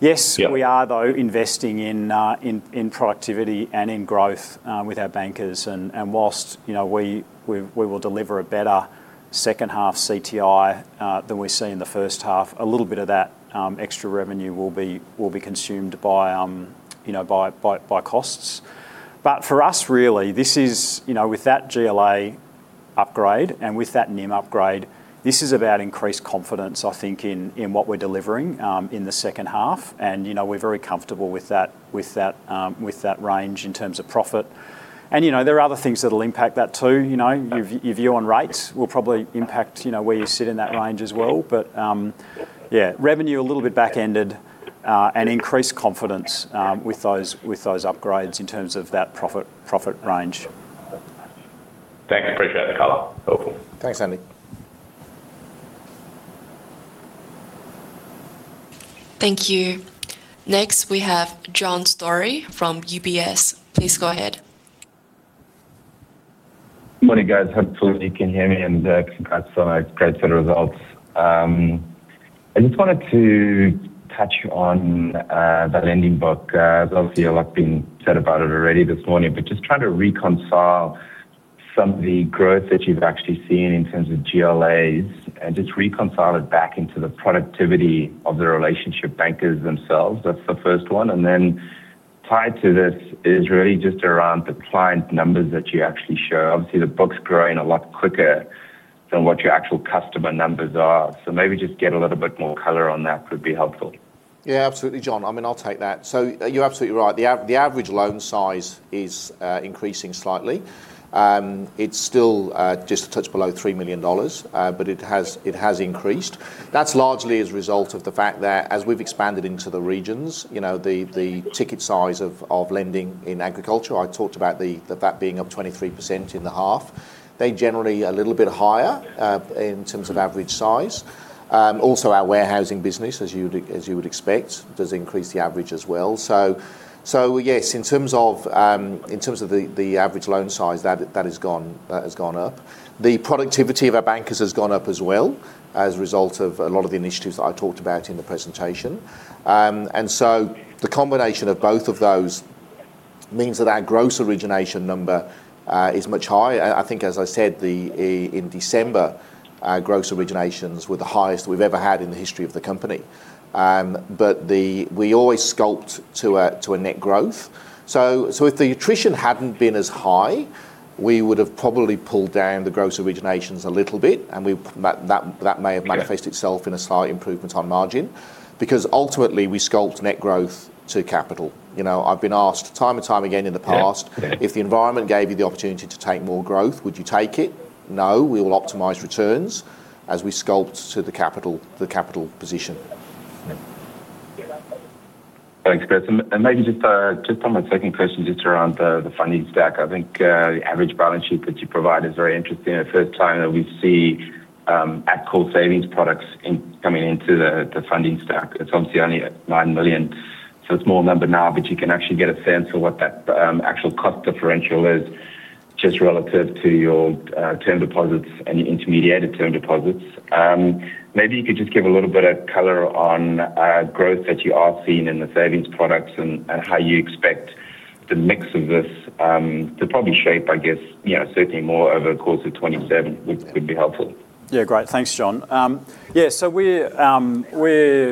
[SPEAKER 3] Yes-
[SPEAKER 7] Yeah
[SPEAKER 3] We are, though, investing in productivity and in growth with our bankers. And while, you know, we will deliver a better second half CTI than we see in the first half, a little bit of that extra revenue will be consumed by, you know, by costs. But for us, really, this is, you know, with that GLA upgrade and with that NIM upgrade, this is about increased confidence, I think, in what we're delivering in the second half, and, you know, we're very comfortable with that, with that range in terms of profit. And, you know, there are other things that will impact that, too. You know, your view on rates will probably impact, you know, where you sit in that range as well. But, yeah, revenue, a little bit back-ended, and increased confidence, with those, with those upgrades in terms of that profit, profit range.
[SPEAKER 7] Thanks. I appreciate the color. Helpful.
[SPEAKER 2] Thanks, Andy.
[SPEAKER 4] Thank you. Next, we have John Storey from UBS. Please go ahead.
[SPEAKER 8] Morning, guys. Hopefully, you can hear me, and, congrats on a great set of results. I just wanted to touch on, the lending book. Obviously, a lot been said about it already this morning, but just trying to reconcile some of the growth that you've actually seen in terms of GLAs, and just reconcile it back into the productivity of the relationship bankers themselves. That's the first one. And then tied to this is really just around the client numbers that you actually show. Obviously, the book's growing a lot quicker than what your actual customer numbers are. So maybe just get a little bit more color on that would be helpful.
[SPEAKER 2] Yeah, absolutely, John. I mean, I'll take that. So you're absolutely right. The average loan size is increasing slightly. It's still just a touch below 3 million dollars, but it has increased. That's largely as a result of the fact that as we've expanded into the regions, you know, the ticket size of lending in agriculture, I talked about that being up 23% in the half, they're generally a little bit higher in terms of average size. Also our warehousing business, as you'd expect, does increase the average as well. So yes, in terms of the average loan size, that has gone up. The productivity of our bankers has gone up as well, as a result of a lot of the initiatives that I talked about in the presentation. And so the combination of both of those means that our gross origination number is much higher. I think, as I said, in December, our gross originations were the highest we've ever had in the history of the company. But we always sculpt to a net growth. So if the attrition hadn't been as high, we would have probably pulled down the gross originations a little bit, and that may have manifested itself in a slight improvement on margin, because ultimately, we sculpt net growth to capital. You know, I've been asked time and time again in the past-
[SPEAKER 8] Yeah. Yeah
[SPEAKER 2] If the environment gave you the opportunity to take more growth, would you take it? No, we will optimize returns as we sculpt to the capital, the capital position.
[SPEAKER 8] Thanks, Chris. And maybe just on my second question, just around the funding stack. I think the average balance sheet that you provide is very interesting. The first time that we see at-cost savings products coming into the funding stack. It's obviously only at 9 million, so it's a small number now, but you can actually get a sense of what that actual cost differential is just relative to your term deposits and your intermediated term deposits. Maybe you could just give a little bit of color on growth that you are seeing in the savings products and how you expect the mix of this to probably shape, I guess, you know, certainly more over the course of 2027, would be helpful.
[SPEAKER 3] Yeah, great. Thanks, John. Yeah, so we're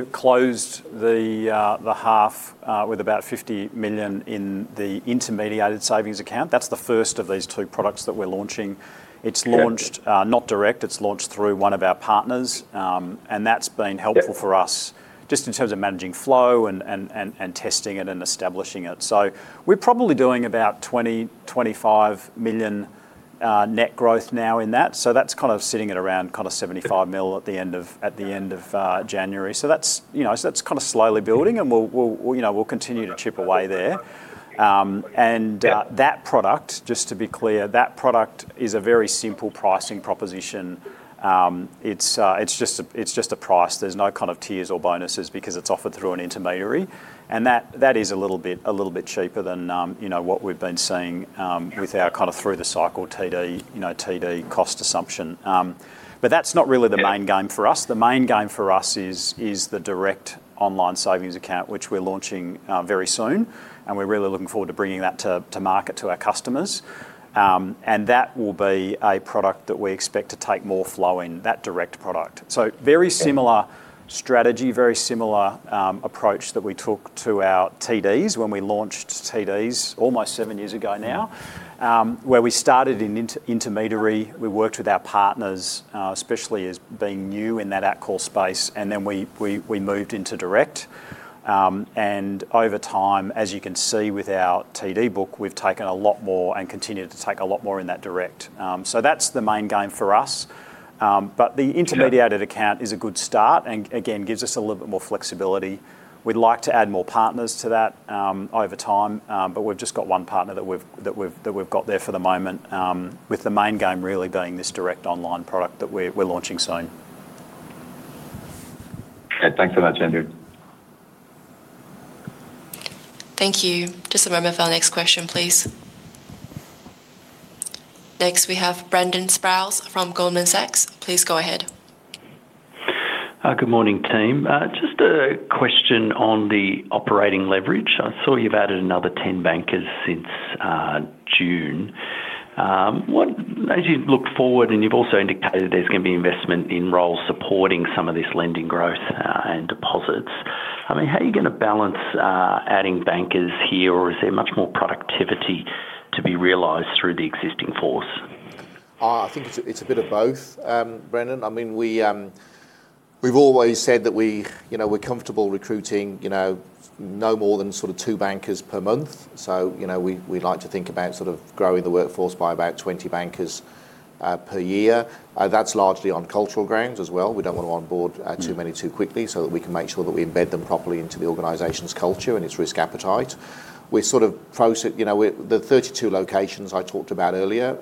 [SPEAKER 3] closed the half with about 50 million in the intermediated savings account. That's the first of these two products that we're launching.
[SPEAKER 8] Yeah.
[SPEAKER 3] It's launched, not direct. It's launched through one of our partners. And that's been helpful.
[SPEAKER 8] Yeah
[SPEAKER 3] For us just in terms of managing flow and testing it and establishing it. So we're probably doing about 20-25 million AUD net growth now in that. So that's kind of sitting at around kind of 75 million AUD at the end of January. So that's, you know, so that's kind of slowly building, and we'll, you know, we'll continue to chip away there.
[SPEAKER 2] And, that product, just to be clear, that product is a very simple pricing proposition. It's just a price. There's no kind of tiers or bonuses because it's offered through an intermediary, and that is a little bit cheaper than, you know, what we've been seeing with our kind of through the cycle TD, you know, TD cost assumption. But that's not really the main game for us. The main game for us is the direct online savings account, which we're launching very soon, and we're really looking forward to bringing that to market to our customers. And that will be a product that we expect to take more flow in, that direct product. So very similar strategy, very similar approach that we took to our TDs when we launched TDs almost seven years ago now. Where we started in intermediary, we worked with our partners, especially as being new in that outcore space, and then we moved into direct. And over time, as you can see with our TD book, we've taken a lot more and continued to take a lot more in that direct. So that's the main game for us. But the intermediated-
[SPEAKER 8] Yeah
[SPEAKER 2] Account is a good start, and again, gives us a little bit more flexibility. We'd like to add more partners to that, over time, but we've just got one partner that we've got there for the moment, with the main game really being this direct online product that we're launching soon.
[SPEAKER 8] Okay, thanks so much, Andrew.
[SPEAKER 4] Thank you. Just a moment for our next question, please. Next, we have Brendan Sproules from Goldman Sachs. Please go ahead.
[SPEAKER 9] Good morning, team. Just a question on the operating leverage. I saw you've added another 10 bankers since June. As you look forward, and you've also indicated there's gonna be investment in roles supporting some of this lending growth, and deposits, I mean, how are you gonna balance adding bankers here, or is there much more productivity to be realized through the existing force?
[SPEAKER 2] I think it's a, it's a bit of both, Brendan. I mean, we, we've always said that we, you know, we're comfortable recruiting, you know, no more than sort of 2 bankers per month. So, you know, we, we like to think about sort of growing the workforce by about 20 bankers per year. That's largely on cultural grounds as well. We don't want to onboard too many too quickly, so that we can make sure that we embed them properly into the organization's culture and its risk appetite. You know, the 32 locations I talked about earlier,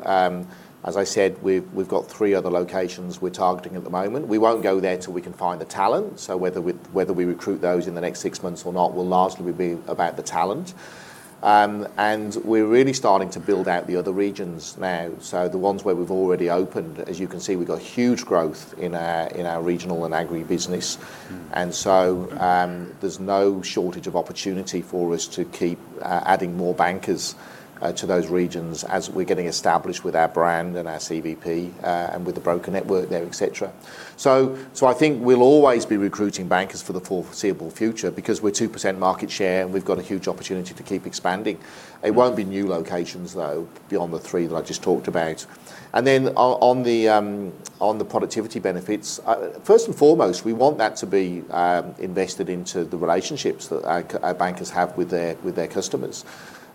[SPEAKER 2] as I said, we've, we've got 3 other locations we're targeting at the moment. We won't go there till we can find the talent, so whether we recruit those in the next six months or not will largely be about the talent. We're really starting to build out the other regions now. The ones where we've already opened, as you can see, we've got huge growth in our regional and Agribusiness.
[SPEAKER 9] Mm.
[SPEAKER 2] And so, there's no shortage of opportunity for us to keep adding more bankers to those regions as we're getting established with our brand and our CVP, and with the broker network there, et cetera. So, I think we'll always be recruiting bankers for the foreseeable future because we're 2% market share, and we've got a huge opportunity to keep expanding. It won't be new locations, though, beyond the three that I just talked about. And then on the productivity benefits, first and foremost, we want that to be invested into the relationships that our bankers have with their, with their customers.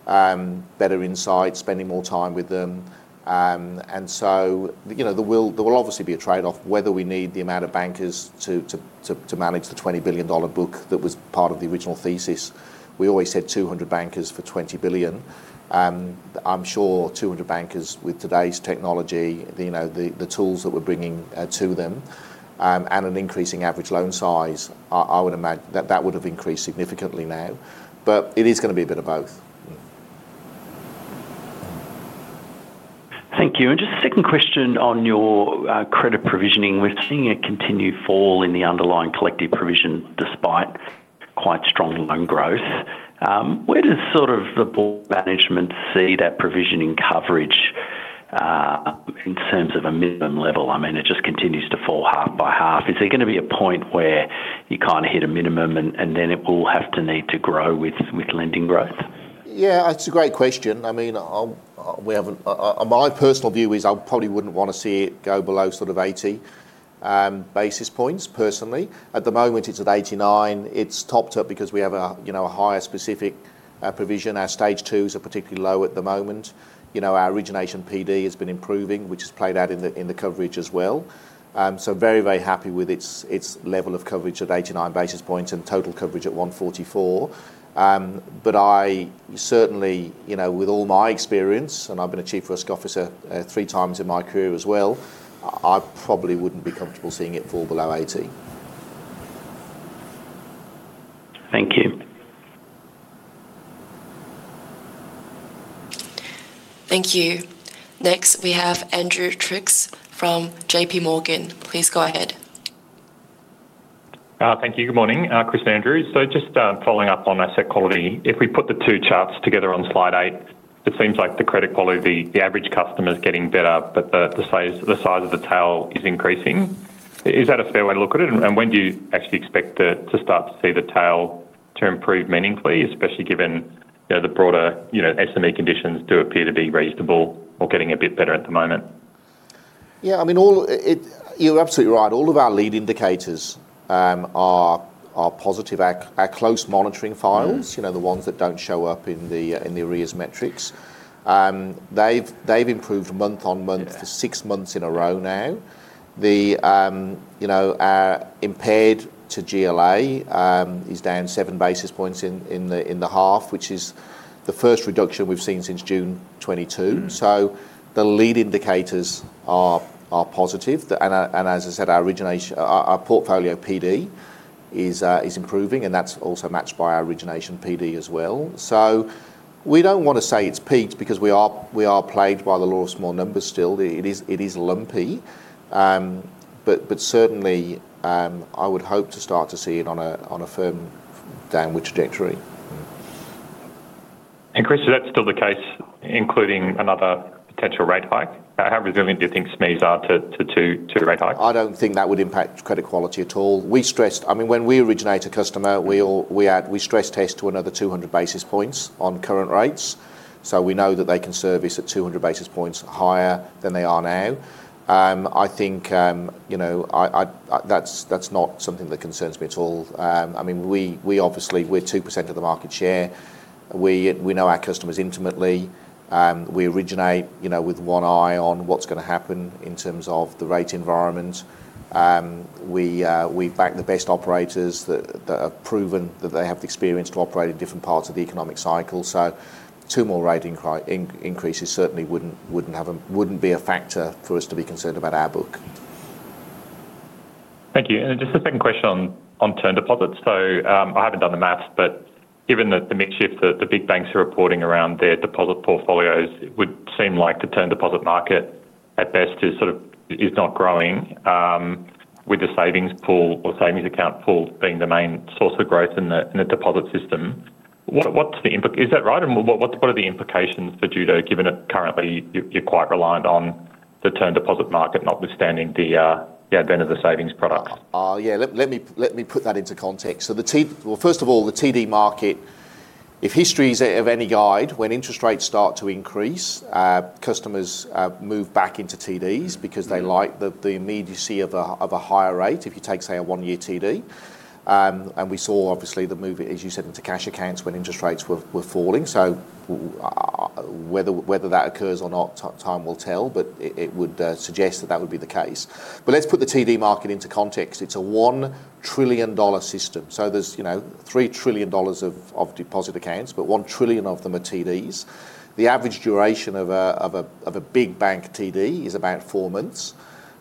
[SPEAKER 2] Better insight, spending more time with them. And so, you know, there will obviously be a trade-off, whether we need the amount of bankers to manage the 20 billion dollar book that was part of the original thesis. We always said 200 bankers for 20 billion. I'm sure 200 bankers with today's technology, you know, the tools that we're bringing to them, and an increasing average loan size, I would imagine that would have increased significantly now, but it is gonna be a bit of both.
[SPEAKER 9] Thank you. And just a second question on your credit provisioning. We're seeing a continued fall in the underlying collective provision, despite quite strong loan growth. Where does sort of the board management see that provisioning coverage in terms of a minimum level? I mean, it just continues to fall half by half. Is there gonna be a point where you kind of hit a minimum and then it will have to need to grow with lending growth?
[SPEAKER 2] Yeah, it's a great question. I mean, my personal view is I probably wouldn't want to see it go below sort of 80 basis points, personally. At the moment, it's at 89. It's topped up because we have, you know, a higher specific provision. Our Stage Twos are particularly low at the moment. You know, our origination PD has been improving, which has played out in the coverage as well. So very, very happy with its level of coverage at 89 basis points and total coverage at 144. But I certainly, you know, with all my experience, and I've been a Chief Risk Officer three times in my career as well, I probably wouldn't be comfortable seeing it fall below 80.
[SPEAKER 9] Thank you.
[SPEAKER 4] Thank you. Next, we have Andrew Triggs from JP Morgan. Please go ahead.
[SPEAKER 10] Thank you. Good morning, Chris and Andrew. So just following up on asset quality, if we put the two charts together on slide 8, it seems like the credit quality, the average customer is getting better, but the size of the tail is increasing. Is that a fair way to look at it? And when do you actually expect to start to see the tail improve meaningfully, especially given, you know, the broader, you know, SME conditions do appear to be reasonable or getting a bit better at the moment?
[SPEAKER 2] Yeah, I mean, all, it... You're absolutely right. All of our lead indicators are positive. Our close monitoring files-
[SPEAKER 10] Mm
[SPEAKER 2] You know, the ones that don't show up in the, in the arrears metrics, they've improved month-on-month-
[SPEAKER 10] Yeah
[SPEAKER 2] For six months in a row now. The, you know, our impaired to GLA is down seven basis points in the half, which is the first reduction we've seen since June 2022.
[SPEAKER 10] Mm.
[SPEAKER 2] So the lead indicators are positive. And as I said, our origination, our portfolio PD is improving, and that's also matched by our origination PD as well. So we don't want to say it's peaked because we are plagued by the law of small numbers still. It is lumpy. But certainly, I would hope to start to see it on a firm downward trajectory.
[SPEAKER 10] Chris, is that still the case, including another potential rate hike? How resilient do you think SMEs are to rate hikes?
[SPEAKER 2] I don't think that would impact credit quality at all. We stressed. I mean, when we originate a customer, we add, we stress test to another 200 basis points on current rates, so we know that they can service at 200 basis points higher than they are now. I think, you know, that's not something that concerns me at all. I mean, we obviously, we're 2% of the market share. We know our customers intimately. We originate, you know, with one eye on what's gonna happen in terms of the rate environment. We back the best operators that have proven that they have the experience to operate in different parts of the economic cycle. So two more rate increases certainly wouldn't be a factor for us to be concerned about our book.
[SPEAKER 10] Thank you. And just a second question on term deposits. So, I haven't done the math, but given that the mix shift that the big banks are reporting around their deposit portfolios, it would seem like the term deposit market, at best, is sort of not growing, with the savings pool or savings account pool being the main source of growth in the deposit system. What, what's the implication? Is that right? And what are the implications for Judo, given that currently you're quite reliant on the term deposit market, notwithstanding the advent of the savings product?
[SPEAKER 2] Yeah, let me put that into context. So, well, first of all, the TD market, if history is of any guide, when interest rates start to increase, customers move back into TDs because they like the immediacy of a higher rate, if you take, say, a one-year TD. And we saw obviously the move, as you said, into cash accounts when interest rates were falling. So, whether that occurs or not, time will tell, but it would suggest that that would be the case. But let's put the TD market into context. It's a 1 trillion dollar system, so there's, you know, 3 trillion dollars of deposit accounts, but 1 trillion of them are TDs. The average duration of a big bank TD is about four months,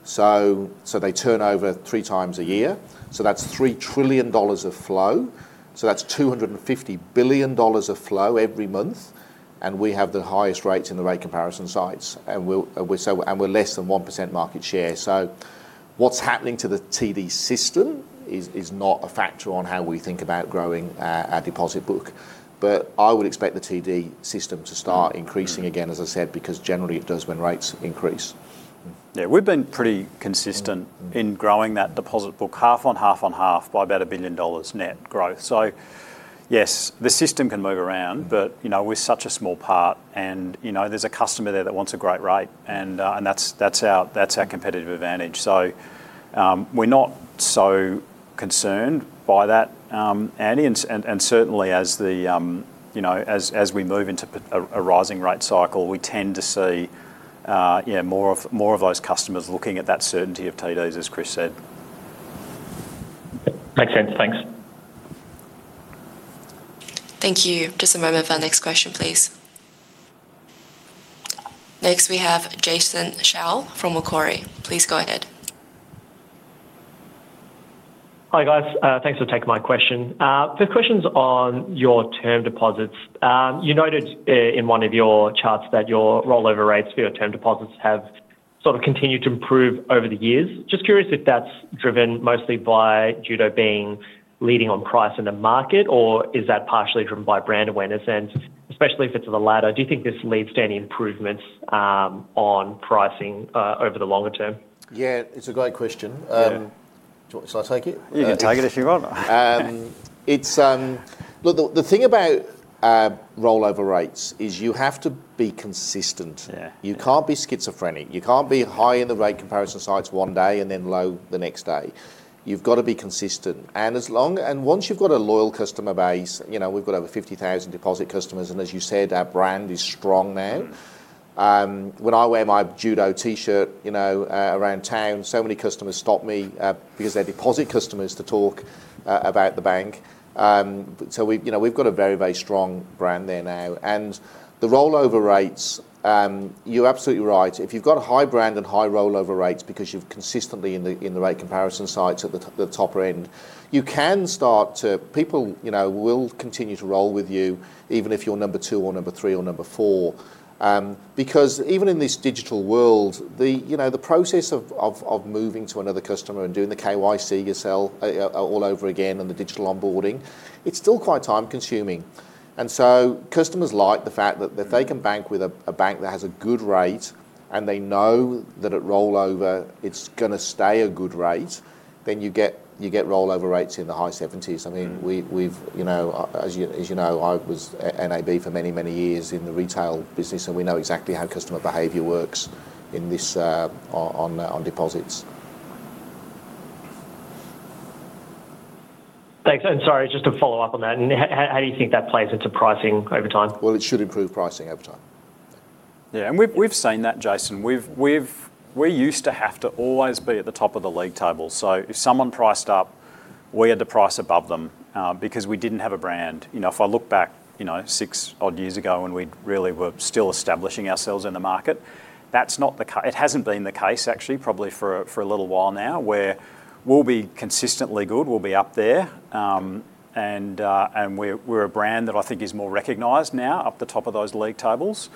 [SPEAKER 2] so they turn over three times a year. So that's 3 trillion dollars of flow. So that's 250 billion dollars of flow every month, and we have the highest rates in the rate comparison sites, and we're less than 1% market share. So what's happening to the TD system is not a factor on how we think about growing our deposit book, but I would expect the TD system to start increasing again, as I said, because generally it does when rates increase.
[SPEAKER 3] Yeah, we've been pretty consistent in growing that deposit book half on half on half by about 1 billion dollars net growth. So yes, the system can move around, but, you know, we're such a small part, and, you know, there's a customer there that wants a great rate, and and that's our competitive advantage. So, we're not so concerned by that, Andy, and certainly as, you know, as we move into a rising rate cycle, we tend to see more of those customers looking at that certainty of TDs, as Chris said.
[SPEAKER 10] Makes sense. Thanks.
[SPEAKER 4] Thank you. Just a moment for our next question, please. Next, we have Jason Shao from Macquarie. Please go ahead.
[SPEAKER 11] Hi, guys, thanks for taking my question. The question's on your term deposits. You noted, in one of your charts, that your rollover rates for your term deposits have sort of continued to improve over the years. Just curious if that's driven mostly by Judo being leading on price in the market, or is that partially driven by brand awareness? And especially if it's the latter, do you think this leads to any improvements, on pricing, over the longer term?
[SPEAKER 2] Yeah, it's a great question.
[SPEAKER 11] Yeah.
[SPEAKER 2] Shall I take it?
[SPEAKER 3] You can take it if you want.
[SPEAKER 2] Look, the thing about rollover rates is you have to be consistent.
[SPEAKER 3] Yeah.
[SPEAKER 2] You can't be schizophrenic. You can't be high in the rate comparison sites one day and then low the next day. You've got to be consistent. And as long and once you've got a loyal customer base, you know, we've got over 50,000 deposit customers, and as you said, our brand is strong now. When I wear my Judo T-shirt, you know, around town, so many customers stop me because they're deposit customers, to talk about the bank. So we, you know, we've got a very, very strong brand there now. And the rollover rates, you're absolutely right. If you've got a high brand and high rollover rates because you're consistently in the rate comparison sites at the top end, you can start to... People, you know, will continue to roll with you even if you're number 2 or number 3 or number 4. Because even in this digital world, the, you know, the process of moving to another customer and doing the KYC yourself all over again and the digital onboarding, it's still quite time-consuming. And so customers like the fact that they can bank with a bank that has a good rate, and they know that at rollover, it's gonna stay a good rate, then you get rollover rates in the high 70s. I mean, we've, you know, as you know, I was at NAB for many, many years in the retail business, and we know exactly how customer behavior works in this on deposits.
[SPEAKER 11] Thanks. And sorry, just to follow up on that, and how do you think that plays into pricing over time?
[SPEAKER 2] Well, it should improve pricing over time.
[SPEAKER 3] Yeah, and we've seen that, Jason. We've used to have to always be at the top of the league table. So if someone priced up, we had the price above them, because we didn't have a brand. You know, if I look back, you know, 6 odd years ago, when we really were still establishing ourselves in the market, it hasn't been the case, actually, probably for a little while now, where we'll be consistently good, we'll be up there, and we're a brand that I think is more recognized now, up the top of those league tables.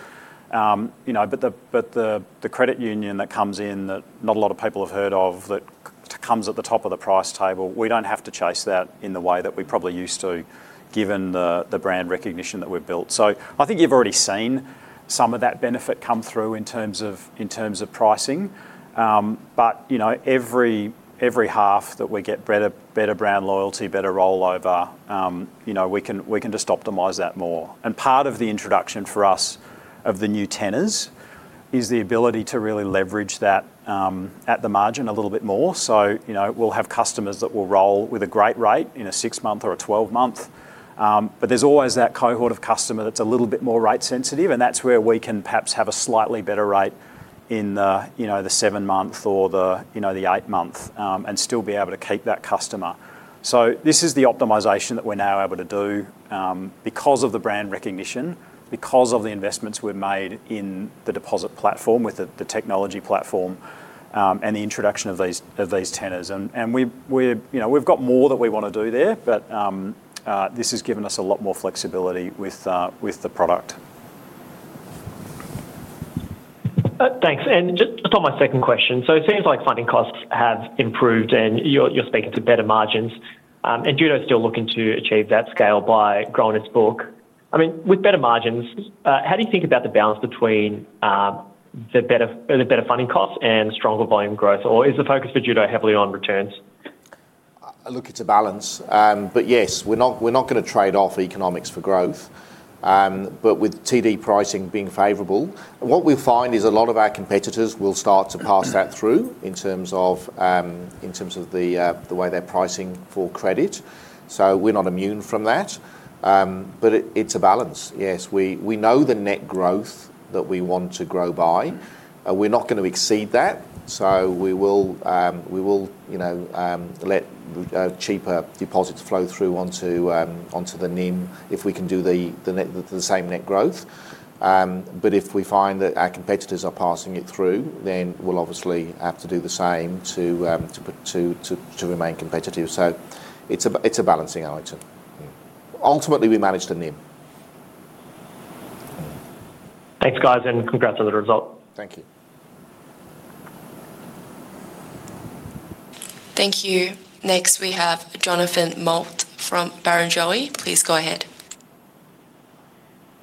[SPEAKER 3] You know, but the credit union that comes in, that not a lot of people have heard of, that comes at the top of the price table, we don't have to chase that in the way that we probably used to, given the brand recognition that we've built. So I think you've already seen some of that benefit come through in terms of pricing. But, you know, every half that we get better brand loyalty, better rollover, you know, we can just optimize that more. And part of the introduction for us of the new tenors is the ability to really leverage that at the margin a little bit more. So, you know, we'll have customers that will roll with a great rate in a 6-month or a 12-month, but there's always that cohort of customer that's a little bit more rate sensitive, and that's where we can perhaps have a slightly better rate in the, you know, the 7-month or the, you know, the 8-month, and still be able to keep that customer. So this is the optimization that we're now able to do, because of the brand recognition, because of the investments we've made in the deposit platform, with the, the technology platform, and the introduction of these, of these tenors. And you know, we've got more that we want to do there, but, this has given us a lot more flexibility with, with the product.
[SPEAKER 11] Thanks. And just onto my second question: so it seems like funding costs have improved, and you're speaking to better margins. And Judo is still looking to achieve that scale by growing its book. I mean, with better margins, how do you think about the balance between the better funding costs and stronger volume growth, or is the focus for Judo heavily on returns?
[SPEAKER 2] Look, it's a balance. But yes, we're not, we're not going to trade off economics for growth. But with TD pricing being favorable, what we find is a lot of our competitors will start to pass that through in terms of, in terms of the way they're pricing for credit. So we're not immune from that. But it's a balance. Yes, we know the net growth that we want to grow by, and we're not going to exceed that. So we will, you know, let cheaper deposits flow through onto the NIM, if we can do the same net growth. But if we find that our competitors are passing it through, then we'll obviously have to do the same to remain competitive. So it's a balancing item. Ultimately, we manage the NIM.
[SPEAKER 11] Thanks, guys, and congrats on the result.
[SPEAKER 2] Thank you.
[SPEAKER 4] Thank you. Next, we have Jonathan Mott from Barrenjoey. Please go ahead.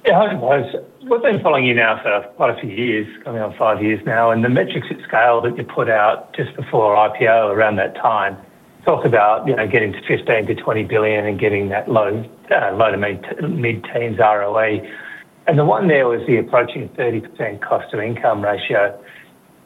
[SPEAKER 12] Yeah, hi, guys. We've been following you now for quite a few years, coming on five years now, and the metrics at scale that you put out just before IPO, around that time, talked about, you know, getting to 15-20 billion and getting that low, low to mid, mid-teens ROE. And the one there was the approaching 30% cost-to-income ratio.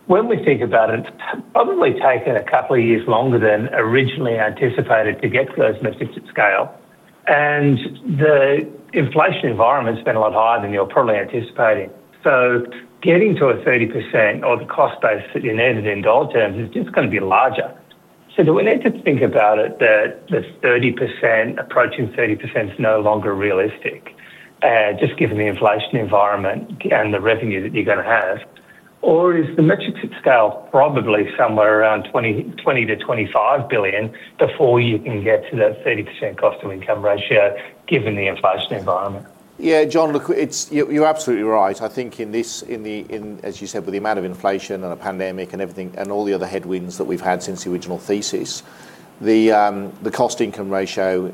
[SPEAKER 12] When we think about it, it's probably taken a couple of years longer than originally anticipated to get to those metrics at scale, and the inflation environment has been a lot higher than you were probably anticipating. So getting to a 30% or the cost base that you needed in dollar terms is just going to be larger. So do we need to think about it that the 30%, approaching 30%, is no longer realistic, just given the inflation environment and the revenue that you're going to have? Or is the metrics at scale probably somewhere around 20, 20-25 billion before you can get to that 30% cost-to-income ratio, given the inflation environment?
[SPEAKER 2] Yeah, John, look, it's. You, you're absolutely right. I think in this, as you said, with the amount of inflation and the pandemic and everything, and all the other headwinds that we've had since the original thesis, the cost-income ratio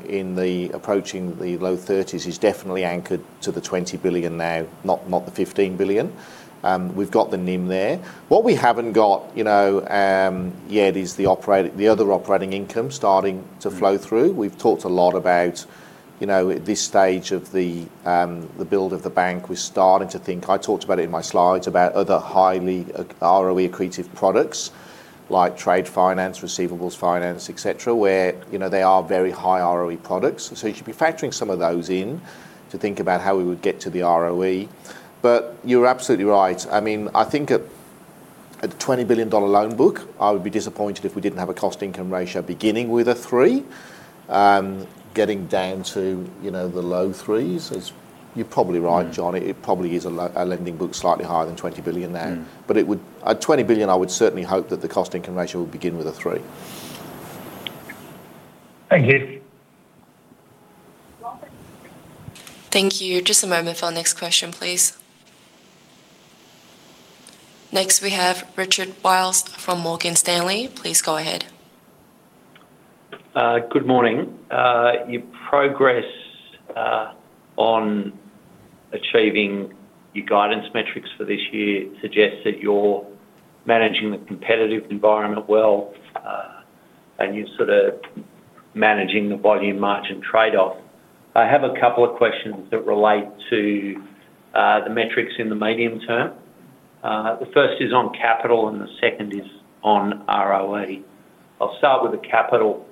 [SPEAKER 2] approaching the low 30s% is definitely anchored to the 20 billion now, not the 15 billion. We've got the NIM there. What we haven't got, you know, yet, is the other operating income starting to flow through. We've talked a lot about, you know, at this stage of the build of the bank, we're starting to think, I talked about it in my slides, about other highly ROE-accretive products like trade finance, receivables finance, et cetera, where, you know, they are very high ROE products. So you should be factoring some of those in to think about how we would get to the ROE. But you're absolutely right. I mean, I think at a 20 billion dollar loan book, I would be disappointed if we didn't have a cost-income ratio beginning with a 3, getting down to, you know, the low threes. So you're probably right, John. It probably is a loan book slightly higher than 20 billion now.
[SPEAKER 12] Mm.
[SPEAKER 2] But it would at 20 billion, I would certainly hope that the cost-income ratio would begin with a three.
[SPEAKER 12] Thank you.
[SPEAKER 4] Thank you. Just a moment for our next question, please. Next, we have Richard Wiles from Morgan Stanley. Please go ahead.
[SPEAKER 13] Good morning. Your progress on achieving your guidance metrics for this year suggests that you're managing the competitive environment well, and you're sort of managing the volume margin trade-off. I have a couple of questions that relate to the metrics in the medium term. The first is on capital, and the second is on ROE. I'll start with the capital-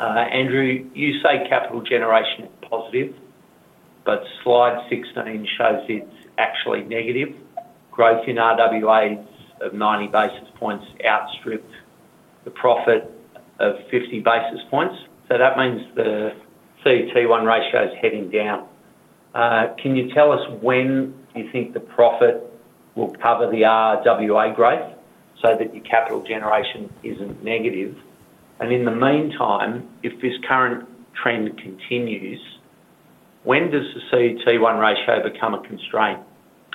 [SPEAKER 13] Andrew, you say capital generation is positive, but slide 16 shows it's actually negative. Growth in RWAs of 90 basis points outstripped the profit of 50 basis points, so that means the CET1 ratio is heading down. Can you tell us when you think the profit will cover the RWA growth so that your capital generation isn't negative? And in the meantime, if this current trend continues, when does the CET1 ratio become a constraint?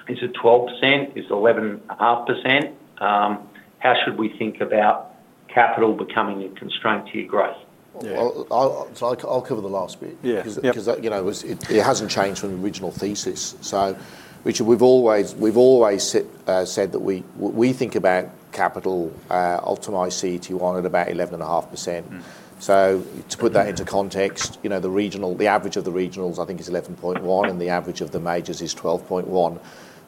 [SPEAKER 13] Is it 12%, is it 11.5%? How should we think about capital becoming a constraint to your growth?
[SPEAKER 3] Yeah. Well, I'll cover the last bit. Yeah. 'Cause, you know, it hasn't changed from the original thesis. So Richard, we've always said that we think about capital optimized CET1 at about 11.5%. So to put that into context, you know, the average of the regionals, I think, is 11.1%, and the average of the majors is 12.1%.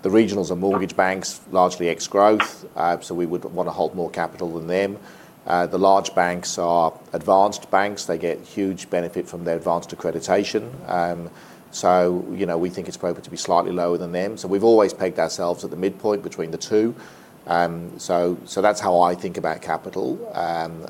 [SPEAKER 3] The regionals are mortgage banks, largely ex-growth, so we would want to hold more capital than them. The large banks are advanced banks. They get huge benefit from their advanced accreditation. So, you know, we think it's appropriate to be slightly lower than them. So we've always pegged ourselves at the midpoint between the two. So that's how I think about capital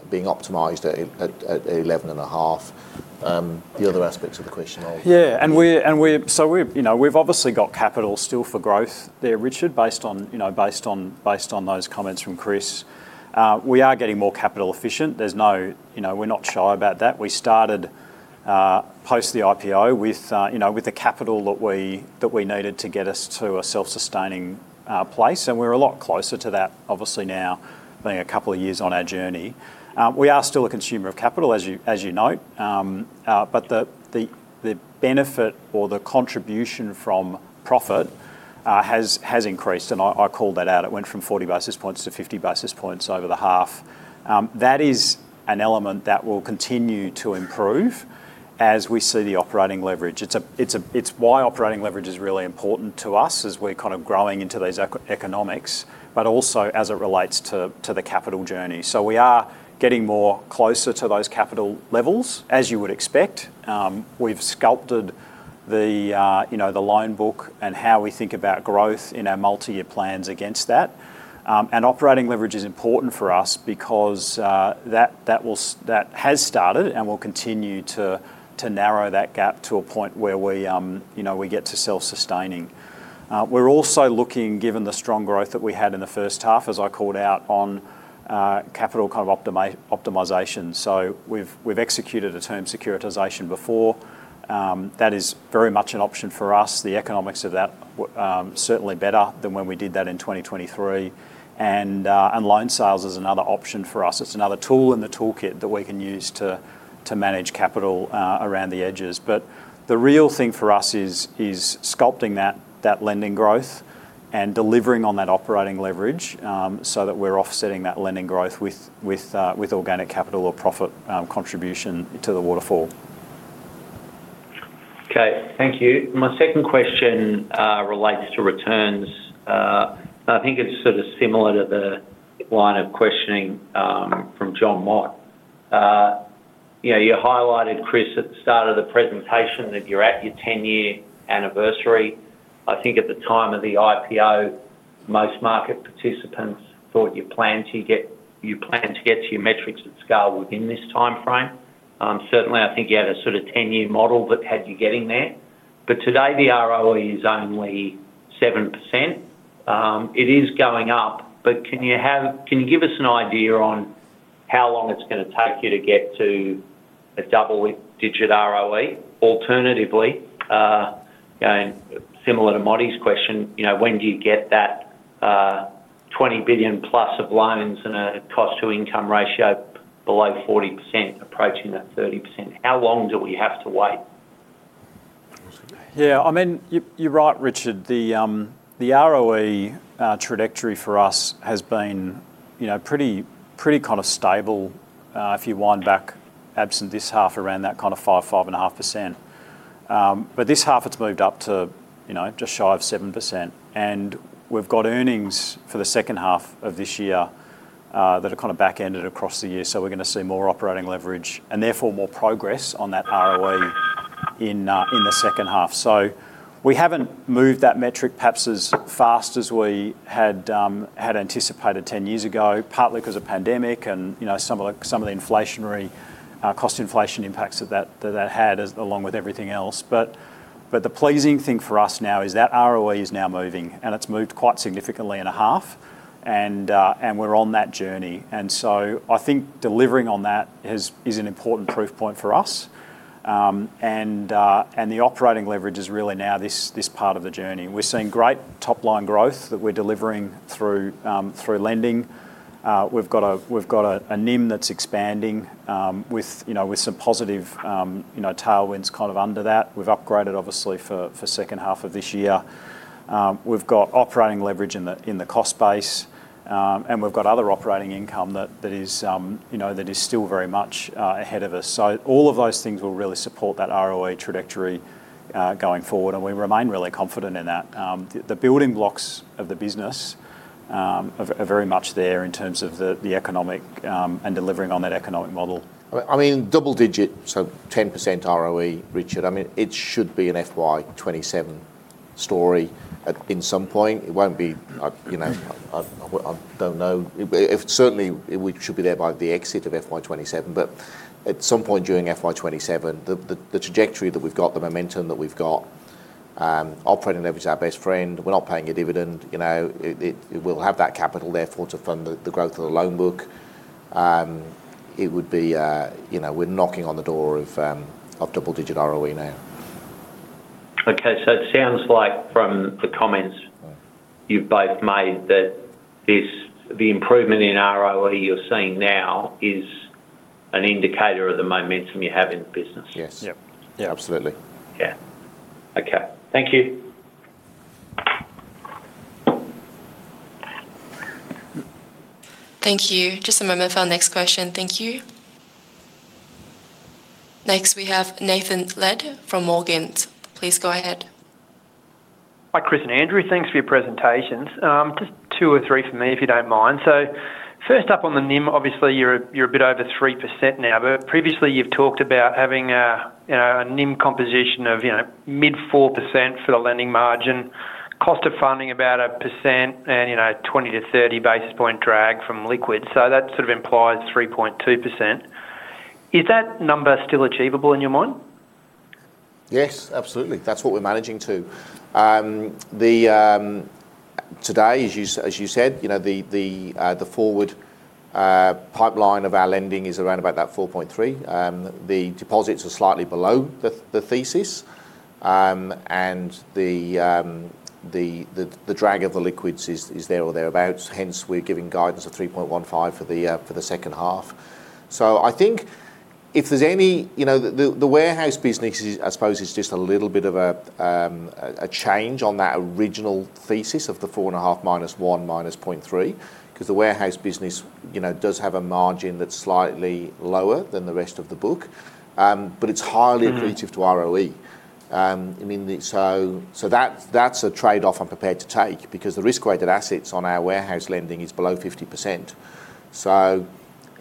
[SPEAKER 3] being optimized at 11.5. The other aspects of the question. Yeah, and so we've, you know, we've obviously got capital still for growth there, Richard, based on, you know, based on, based on those comments from Chris. We are getting more capital efficient. There's no you know, we're not shy about that. We started post the IPO with, you know, with the capital that we, that we needed to get us to a self-sustaining place, and we're a lot closer to that, obviously, now, being a couple of years on our journey. We are still a consumer of capital, as you, as you note. But the benefit or the contribution from profit has increased, and I called that out. It went from 40 basis points to 50 basis points over the half. That is an element that will continue to improve as we see the operating leverage. It's why operating leverage is really important to us as we're kind of growing into these economics, but also as it relates to the capital journey. So we are getting more closer to those capital levels, as you would expect. We've sculpted the you know the loan book and how we think about growth in our multi-year plans against that. And operating leverage is important for us because that has started and will continue to narrow that gap to a point where we, you know, we get to self-sustaining. We're also looking, given the strong growth that we had in the first half, as I called out, on capital kind of optimization. So we've executed a term securitization before. That is very much an option for us. The economics of that certainly better than when we did that in 2023. And loan sales is another option for us. It's another tool in the toolkit that we can use to manage capital around the edges. But the real thing for us is sculpting that lending growth and delivering on that operating leverage, so that we're offsetting that lending growth with organic capital or profit contribution to the waterfall.
[SPEAKER 13] Okay, thank you. My second question relates to returns. I think it's sort of similar to the line of questioning from Jonathan Mott. You know, you highlighted, Chris, at the start of the presentation that you're at your 10-year anniversary. I think at the time of the IPO, most market participants thought you planned to get, you planned to get to your metrics at scale within this timeframe. Certainly, I think you had a sort of 10-year model that had you getting there. But today, the ROE is only 7%. It is going up, but can you give us an idea on how long it's gonna take you to get to a double-digit ROE? Alternatively, similar to Motty's question, you know, when do you get that, 20 billion+ of loans and a cost-to-income ratio below 40%, approaching that 30%? How long do we have to wait?
[SPEAKER 3] Yeah, I mean, you, you're right, Richard. The ROE trajectory for us has been, you know, pretty kind of stable, if you wind back absent this half around that kind of 5, 5.5%. But this half, it's moved up to, you know, just shy of 7%, and we've got earnings for the second half of this year that are kind of backended across the year. So we're gonna see more operating leverage, and therefore more progress on that ROE in the second half. So we haven't moved that metric perhaps as fast as we had anticipated 10 years ago, partly because of pandemic and, you know, some of the inflationary cost inflation impacts that had, along with everything else. But the pleasing thing for us now is that ROE is now moving, and it's moved quite significantly in a half, and we're on that journey. So I think delivering on that is an important proof point for us. And the operating leverage is really now this part of the journey. We're seeing great top-line growth that we're delivering through lending. We've got a NIM that's expanding, with, you know, with some positive tailwinds kind of under that. We've upgraded, obviously, for second half of this year. We've got operating leverage in the cost base, and we've got other operating income that is still very much ahead of us. So all of those things will really support that ROE trajectory, going forward, and we remain really confident in that. The building blocks of the business are very much there in terms of the economic, and delivering on that economic model. I mean, double-digit, so 10% ROE, Richard, I mean, it should be an FY 2027
[SPEAKER 2] Story at some point. It won't be, you know, I don't know. Certainly, we should be there by the exit of FY 2027, but at some point during FY 2027, the trajectory that we've got, the momentum that we've got, operating leverage is our best friend. We're not paying a dividend, you know. It, we'll have that capital therefore to fund the growth of the loan book. It would be, you know, we're knocking on the door of double-digit ROE now.
[SPEAKER 13] Okay. So it sounds like from the comments you've both made, that this, the improvement in ROE you're seeing now is an indicator of the momentum you have in the business?
[SPEAKER 2] Yes.
[SPEAKER 3] Yep.
[SPEAKER 2] Yeah, absolutely.
[SPEAKER 13] Yeah. Okay. Thank you.
[SPEAKER 4] Thank you. Just a moment for our next question. Thank you. Next, we have Nathan Lead from Morgans. Please go ahead.
[SPEAKER 14] Hi, Chris and Andrew. Thanks for your presentations. Just two or three from me, if you don't mind. So first up on the NIM, obviously, you're a bit over 3% now, but previously you've talked about having, you know, a NIM composition of, you know, mid-4% for the lending margin, cost of funding about 1%, and, you know, 20-30 basis point drag from liquid. So that sort of implies 3.2%. Is that number still achievable in your mind?
[SPEAKER 2] Yes, absolutely. That's what we're managing to. Today, as you said, you know, the forward pipeline of our lending is around about that 4.3. The deposits are slightly below the thesis, and the drag of the liquids is there or thereabouts, hence we're giving guidance of 3.15 for the second half. So I think if there's any you know, the warehouse business is, I suppose, just a little bit of a change on that original thesis of the 4.5 - 1 - 0.3, 'cause the warehouse business, you know, does have a margin that's slightly lower than the rest of the book. But it's highly-
[SPEAKER 14] Mm-hmm
[SPEAKER 2] Accretive to ROE. I mean, so, so that, that's a trade-off I'm prepared to take because the risk-weighted assets on our warehouse lending is below 50%. So,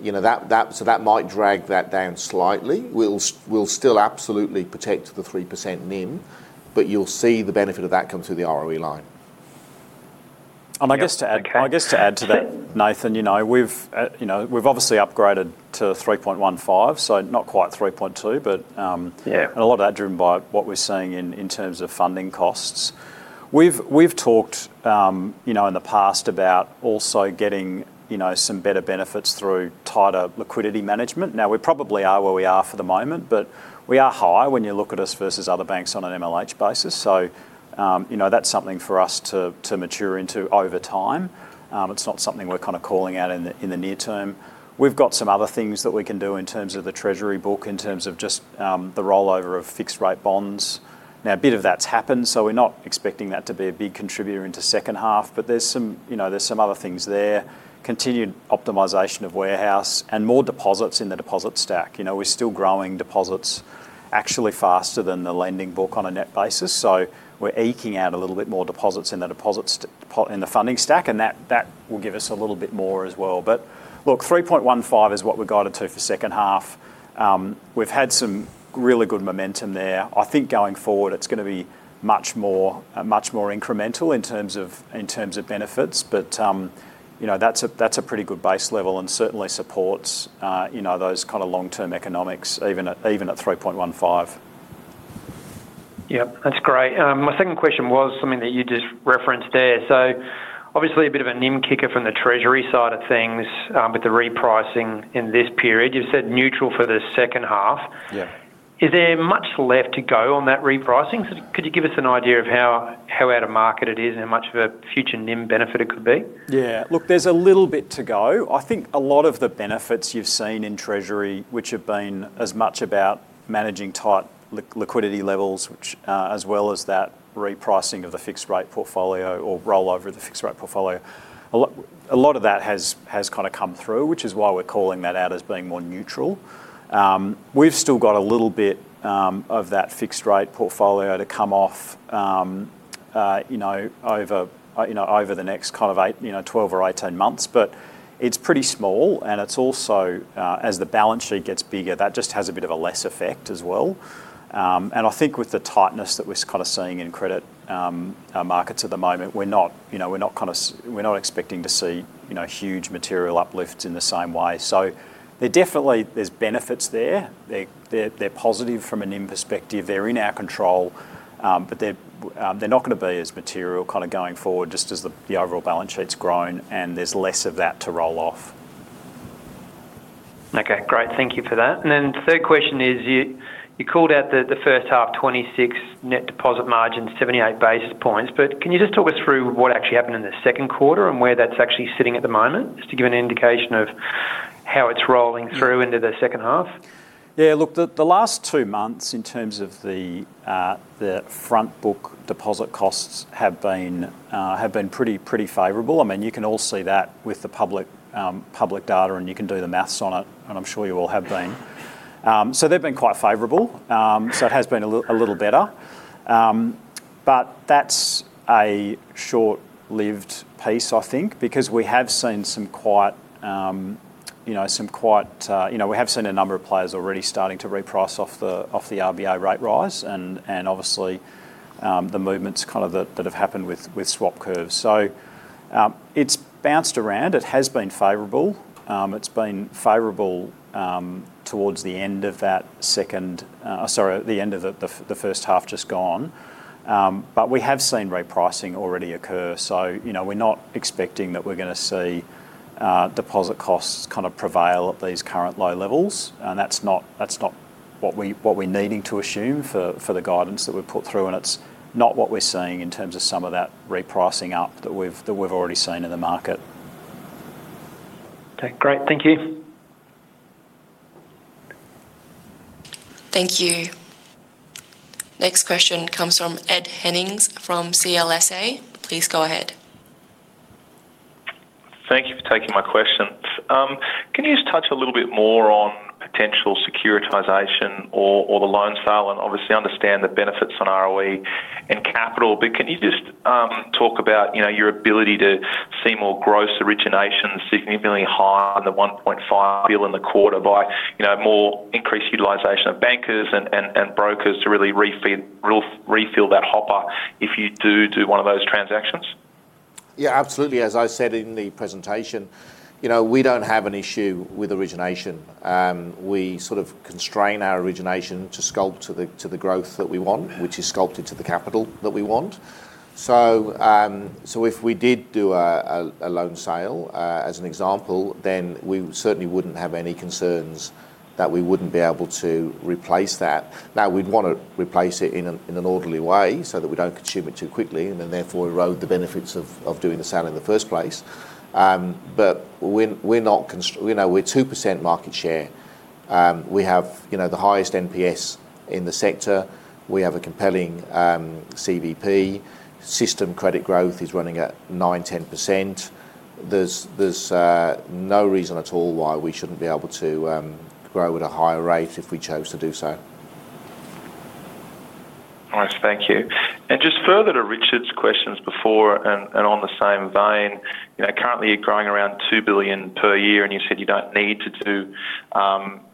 [SPEAKER 2] you know, that might drag that down slightly. We'll still absolutely protect the 3% NIM, but you'll see the benefit of that come through the ROE line.
[SPEAKER 3] I guess to add-
[SPEAKER 14] Okay.
[SPEAKER 3] I guess to add to that, Nathan, you know, we've, you know, we've obviously upgraded to 3.15, so not quite 3.2, but,
[SPEAKER 2] Yeah
[SPEAKER 3] And a lot of that driven by what we're seeing in terms of funding costs. We've talked, you know, in the past about also getting, you know, some better benefits through tighter liquidity management. Now, we probably are where we are for the moment, but we are high when you look at us versus other banks on an MLH basis. So, you know, that's something for us to mature into over time. It's not something we're kind of calling out in the near term. We've got some other things that we can do in terms of the treasury book, in terms of just the rollover of fixed-rate bonds. Now, a bit of that's happened, so we're not expecting that to be a big contributor into second half, but there's some, you know, other things there. Continued optimization of warehouse and more deposits in the deposit stack. You know, we're still growing deposits actually faster than the lending book on a net basis, so we're eking out a little bit more deposits in the funding stack, and that will give us a little bit more as well. But look, 3.15 is what we're guided to for second half. We've had some really good momentum there. I think going forward, it's gonna be much more, much more incremental in terms of, in terms of benefits, but, you know, that's a, that's a pretty good base level and certainly supports, you know, those kind of long-term economics, even at, even at 3.15.
[SPEAKER 14] Yep, that's great. My second question was something that you just referenced there. So obviously, a bit of a NIM kicker from the treasury side of things, with the repricing in this period. You've said neutral for the second half.
[SPEAKER 3] Yeah.
[SPEAKER 14] Is there much left to go on that repricing? So could you give us an idea of how out of market it is and how much of a future NIM benefit it could be?
[SPEAKER 3] Yeah. Look, there's a little bit to go. I think a lot of the benefits you've seen in treasury, which have been as much about managing tight liquidity levels, which as well as that repricing of the fixed rate portfolio or rollover the fixed rate portfolio, a lot of that has kind of come through, which is why we're calling that out as being more neutral. We've still got a little bit of that fixed rate portfolio to come off, you know, over you know, over the next kind of 8, 12 or 18 months, but it's pretty small, and it's also as the balance sheet gets bigger, that just has a bit of a less effect as well. And I think with the tightness that we're kind of seeing in credit markets at the moment, we're not, you know, we're not expecting to see, you know, huge material uplifts in the same way. So there definitely, there's benefits there. They're positive from a NIM perspective. They're in our control, but they're not gonna be as material kind of going forward just as the overall balance sheet's grown, and there's less of that to roll off.
[SPEAKER 14] Okay, great. Thank you for that. And then the third question is, you called out the first half, 26 net deposit margin, 78 basis points, but can you just talk us through what actually happened in the Q2 and where that's actually sitting at the moment, just to give an indication of how it's rolling-
[SPEAKER 3] Yeah
[SPEAKER 14] Through into the second half?
[SPEAKER 3] Yeah, look, the last two months, in terms of the front book deposit costs have been pretty favorable. I mean, you can all see that with the public data, and you can do the math on it, and I'm sure you all have been. So they've been quite favorable. So it has been a little better. But that's a short-lived piece, I think, because we have seen some quite, you know, we have seen a number of players already starting to reprice off the RBA rate rise, and obviously, the movements kind of that have happened with swap curves. So it's bounced around. It has been favorable. It's been favorable towards the end of the first half just gone. But we have seen repricing already occur, so, you know, we're not expecting that we're gonna see deposit costs kind of prevail at these current low levels, and that's not what we're needing to assume for the guidance that we've put through, and it's not what we're seeing in terms of some of that repricing up that we've already seen in the market.
[SPEAKER 14] Okay, great. Thank you.
[SPEAKER 4] Thank you. Next question comes from Ed Henning, from CLSA. Please go ahead.
[SPEAKER 15] Thank you for taking my question. Can you just touch a little bit more on potential securitization or the loan sale? And obviously, I understand the benefits on ROE and capital, but can you just talk about, you know, your ability to see more gross originations significantly higher than the 1.5 billion in the quarter by, you know, more increased utilization of bankers and brokers to really refill that hopper if you do one of those transactions?
[SPEAKER 2] Yeah, absolutely. As I said in the presentation, you know, we don't have an issue with origination. We sort of constrain our origination to sculpt to the growth that we want, which is sculpted to the capital that we want. So, if we did do a loan sale, as an example, then we certainly wouldn't have any concerns that we wouldn't be able to replace that. Now, we'd wanna replace it in an orderly way so that we don't consume it too quickly, and then therefore erode the benefits of doing the sale in the first place. But we're not you know, we're 2% market share. We have, you know, the highest NPS in the sector. We have a compelling CVP. System credit growth is running at 9%-10%. There's no reason at all why we shouldn't be able to grow at a higher rate if we chose to do so.
[SPEAKER 15] All right, thank you. And just further to Richard's questions before, and on the same vein, you know, currently, you're growing around 2 billion per year, and you said you don't need to do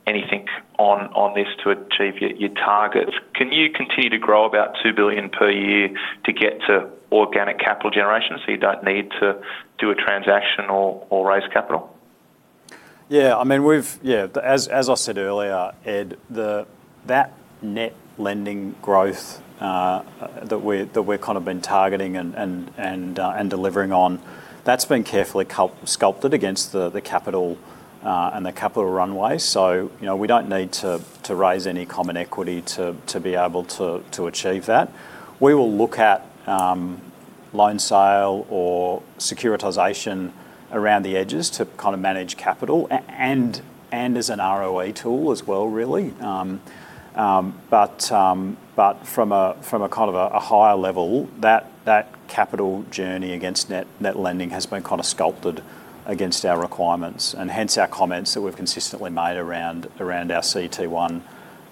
[SPEAKER 15] anything on this to achieve your target. Can you continue to grow about 2 billion per year to get to organic capital generation, so you don't need to do a transaction or raise capital?
[SPEAKER 3] Yeah, I mean, yeah, as I said earlier, Ed, that net lending growth that we're kind of been targeting and delivering on, that's been carefully sculpted against the capital and the capital runway. So, you know, we don't need to raise any common equity to be able to achieve that. We will look at loan sale or securitization around the edges to kind of manage capital, and as an ROE tool as well, really. But from a kind of a higher level, that capital journey against net lending has been kind of sculpted against our requirements, and hence our comments that we've consistently made around our CET1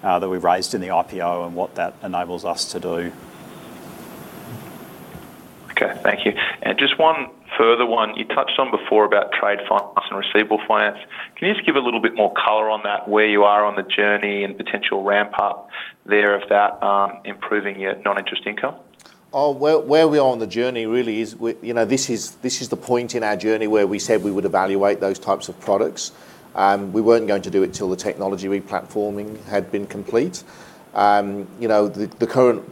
[SPEAKER 3] that we've raised in the IPO and what that enables us to do.
[SPEAKER 15] Okay, thank you. Just one further one. You touched on before about trade finance and receivable finance. Can you just give a little bit more color on that, where you are on the journey and potential ramp-up there of that, improving your non-interest income?
[SPEAKER 2] Where we are on the journey really is with... You know, this is the point in our journey where we said we would evaluate those types of products. We weren't going to do it till the technology replatforming had been complete. You know, the current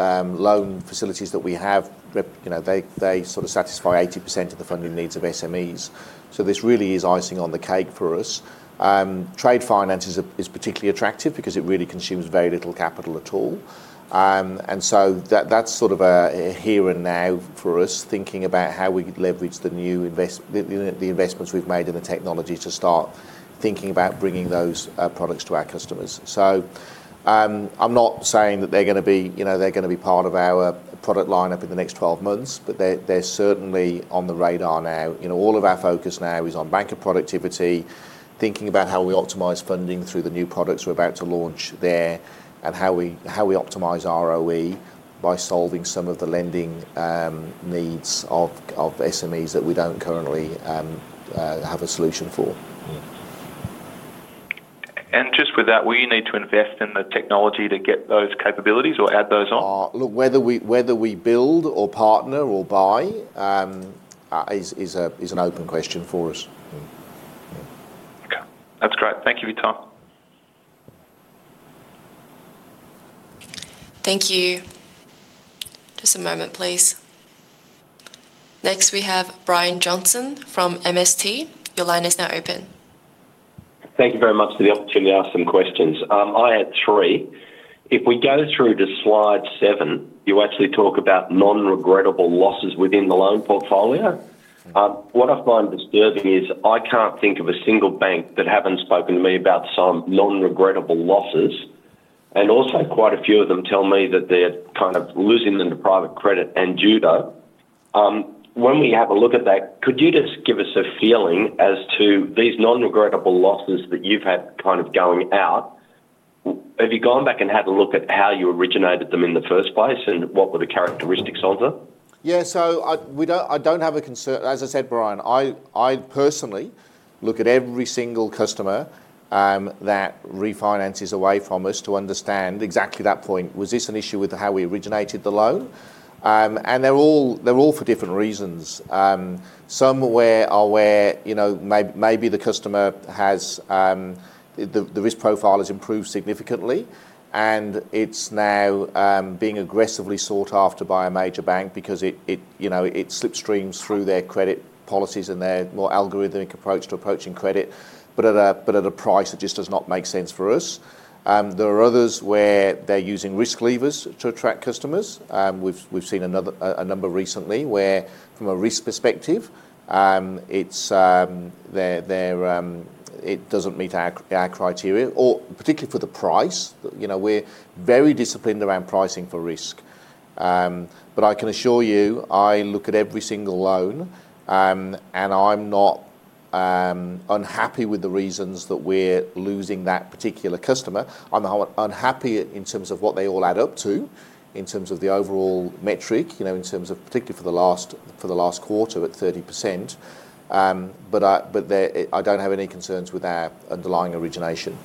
[SPEAKER 2] loan facilities that we have, you know, they sort of satisfy 80% of the funding needs of SMEs. So this really is icing on the cake for us. Trade finance is particularly attractive because it really consumes very little capital at all. And so that's sort of a here and now for us, thinking about how we could leverage the new investments we've made in the technology to start thinking about bringing those products to our customers. So, I'm not saying that they're gonna be, you know, they're gonna be part of our product lineup in the next 12 months, but they're certainly on the radar now. You know, all of our focus now is on banker productivity, thinking about how we optimize funding through the new products we're about to launch there, and how we optimize ROE by solving some of the lending needs of SMEs that we don't currently have a solution for.
[SPEAKER 15] Just with that, will you need to invest in the technology to get those capabilities or add those on?
[SPEAKER 2] Look, whether we build or partner or buy is an open question for us.
[SPEAKER 15] Okay. That's great. Thank you for your time.
[SPEAKER 4] Thank you. Just a moment, please. Next, we have Brian Johnson from MST. Your line is now open.
[SPEAKER 16] Thank you very much for the opportunity to ask some questions. I had three. If we go through to slide seven, you actually talk about non-regrettable losses within the loan portfolio. What I find disturbing is I can't think of a single bank that haven't spoken to me about some non-regrettable losses, and also quite a few of them tell me that they're kind of losing them to private credit and Judo. When we have a look at that, could you just give us a feeling as to these non-regrettable losses that you've had kind of going out? Have you gone back and had a look at how you originated them in the first place, and what were the characteristics of them?
[SPEAKER 2] Yeah, so I don't have a concern. As I said, Brian, I personally look at every single customer that refinances away from us to understand exactly that point. Was this an issue with how we originated the loan? And they're all for different reasons. Some where you know maybe the customer has the risk profile has improved significantly, and it's now being aggressively sought after by a major bank because it you know it slipstreams through their credit policies and their more algorithmic approach to approaching credit, but at a price that just does not make sense for us. There are others where they're using risk levers to attract customers. We've seen another number recently, where from a risk perspective, it's, they're, it doesn't meet our criteria or particularly for the price. You know, we're very disciplined around pricing for risk. But I can assure you, I look at every single loan, and I'm not unhappy with the reasons that we're losing that particular customer. I'm unhappy in terms of what they all add up to, in terms of the overall metric, you know, in terms of particularly for the last quarter at 30%. But I don't have any concerns with our underlying origination.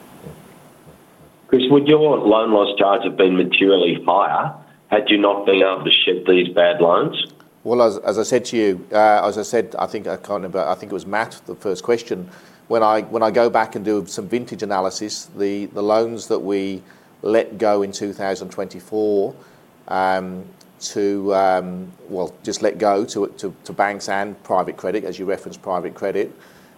[SPEAKER 16] Chris, would your loan loss charge have been materially higher had you not been able to shed these bad loans?
[SPEAKER 2] Well, as I said to you, as I said, I think I can't remember. I think it was Matt, the first question. When I go back and do some vintage analysis, the loans that we let go in 2024, to, well, just let go to banks and private credit, as you referenced, private credit,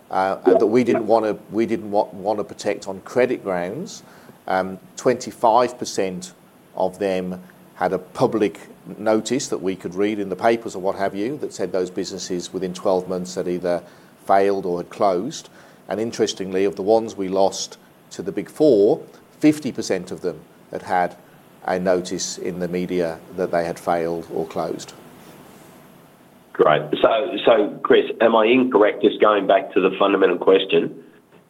[SPEAKER 2] that we didn't want to protect on credit grounds. 25% of them had a public notice that we could read in the papers or what have you, that said those businesses within 12 months had either failed or had closed. And interestingly, of the ones we lost to the Big Four, 50% of them had had a notice in the media that they had failed or closed.
[SPEAKER 16] Great. So, Chris, am I incorrect, just going back to the fundamental question: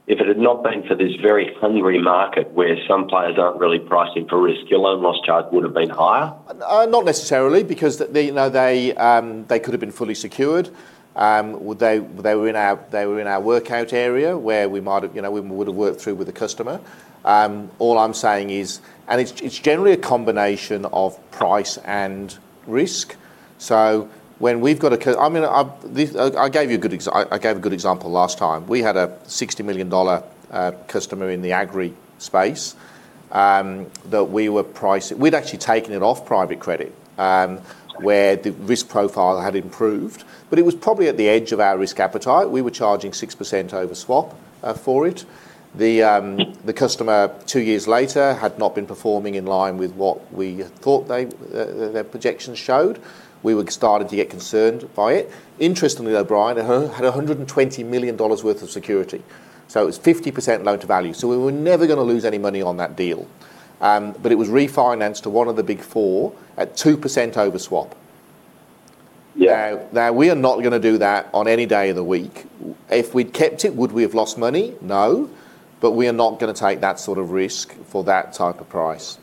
[SPEAKER 16] If it had not been for this very hungry market where some players aren't really pricing for risk, your loan loss charge would have been higher?
[SPEAKER 2] Not necessarily, because they, you know, they could have been fully secured. They were in our workout area, where we might have, you know, we would have worked through with the customer. All I'm saying is it's generally a combination of price and risk. So when I gave you a good example last time. We had an 60 million dollar customer in the Agri space that we were pricing. We'd actually taken it off private credit, where the risk profile had improved, but it was probably at the edge of our risk appetite. We were charging 6% over swap for it. The customer, two years later, had not been performing in line with what we thought they, their projections showed. We were started to get concerned by it. Interestingly, though, Brian, it had 120 million dollars worth of security, so it was 50% loan to value. So we were never gonna lose any money on that deal. But it was refinanced to one of the Big Four at 2% over swap.
[SPEAKER 16] Yeah.
[SPEAKER 2] Now, now, we are not gonna do that on any day of the week. If we'd kept it, would we have lost money? No, but we are not gonna take that sort of risk for that type of price.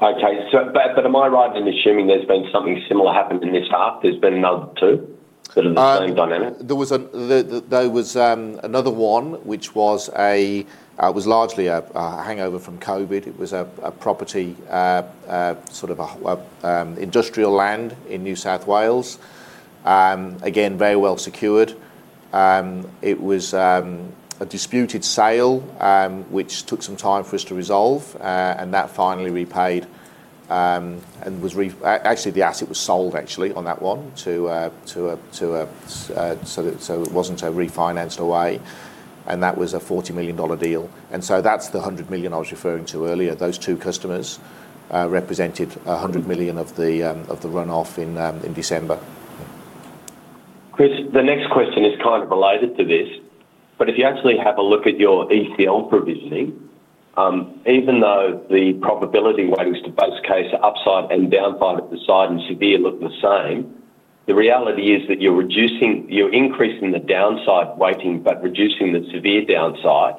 [SPEAKER 16] Okay, so but am I right in assuming there's been something similar happened in this half? There's been another two, sort of the same dynamic.
[SPEAKER 2] There was another one which was largely a hangover from COVID. It was a property sort of industrial land in New South Wales. Again, very well secured. It was a disputed sale which took some time for us to resolve, and that finally repaid, and was actually, the asset was sold actually on that one, so it wasn't refinanced away, and that was an 40 million dollar deal. And so that's the 100 million I was referring to earlier. Those two customers represented an 100 million of the run-off in December.
[SPEAKER 16] Chris, the next question is kind of related to this, but if you actually have a look at your ECL provisioning, even though the probability weightings to base case, upside, and downside, adverse and severe look the same, the reality is that you're increasing the downside weighting but reducing the severe downside.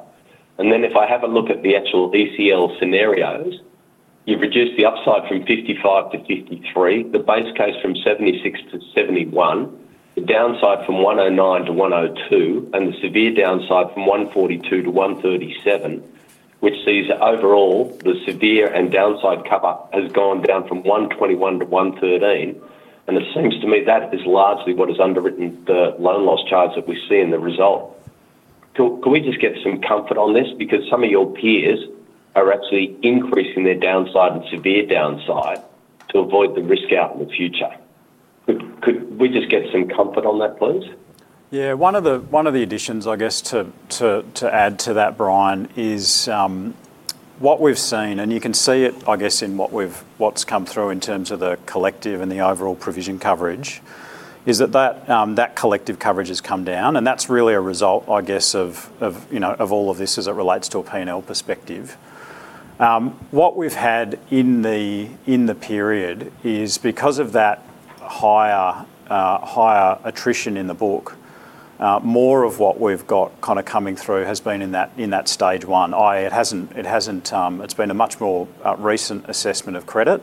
[SPEAKER 16] Then, if I have a look at the actual ECL scenarios, you've reduced the upside from 55 to 53, the base case from 76 to 71, the downside from 109 to 102, and the severe downside from 142 to 137, which sees overall the severe and downside cover has gone down from 121 to 113. It seems to me that is largely what has underwritten the loan loss charge that we see in the result. Can we just get some comfort on this? Because some of your peers are actually increasing their downside and severe downside to avoid the risk out in the future. Could we just get some comfort on that, please?
[SPEAKER 3] Yeah, one of the additions, I guess, to add to that, Brian, is what we've seen, and you can see it, I guess, in what's come through in terms of the collective and the overall provision coverage, is that collective coverage has come down, and that's really a result, I guess, of you know, of all of this as it relates to a P&L perspective. What we've had in the period is because of that higher attrition in the book, more of what we've got kind of coming through has been in that Stage 1. It hasn't, it's been a much more recent assessment of credit.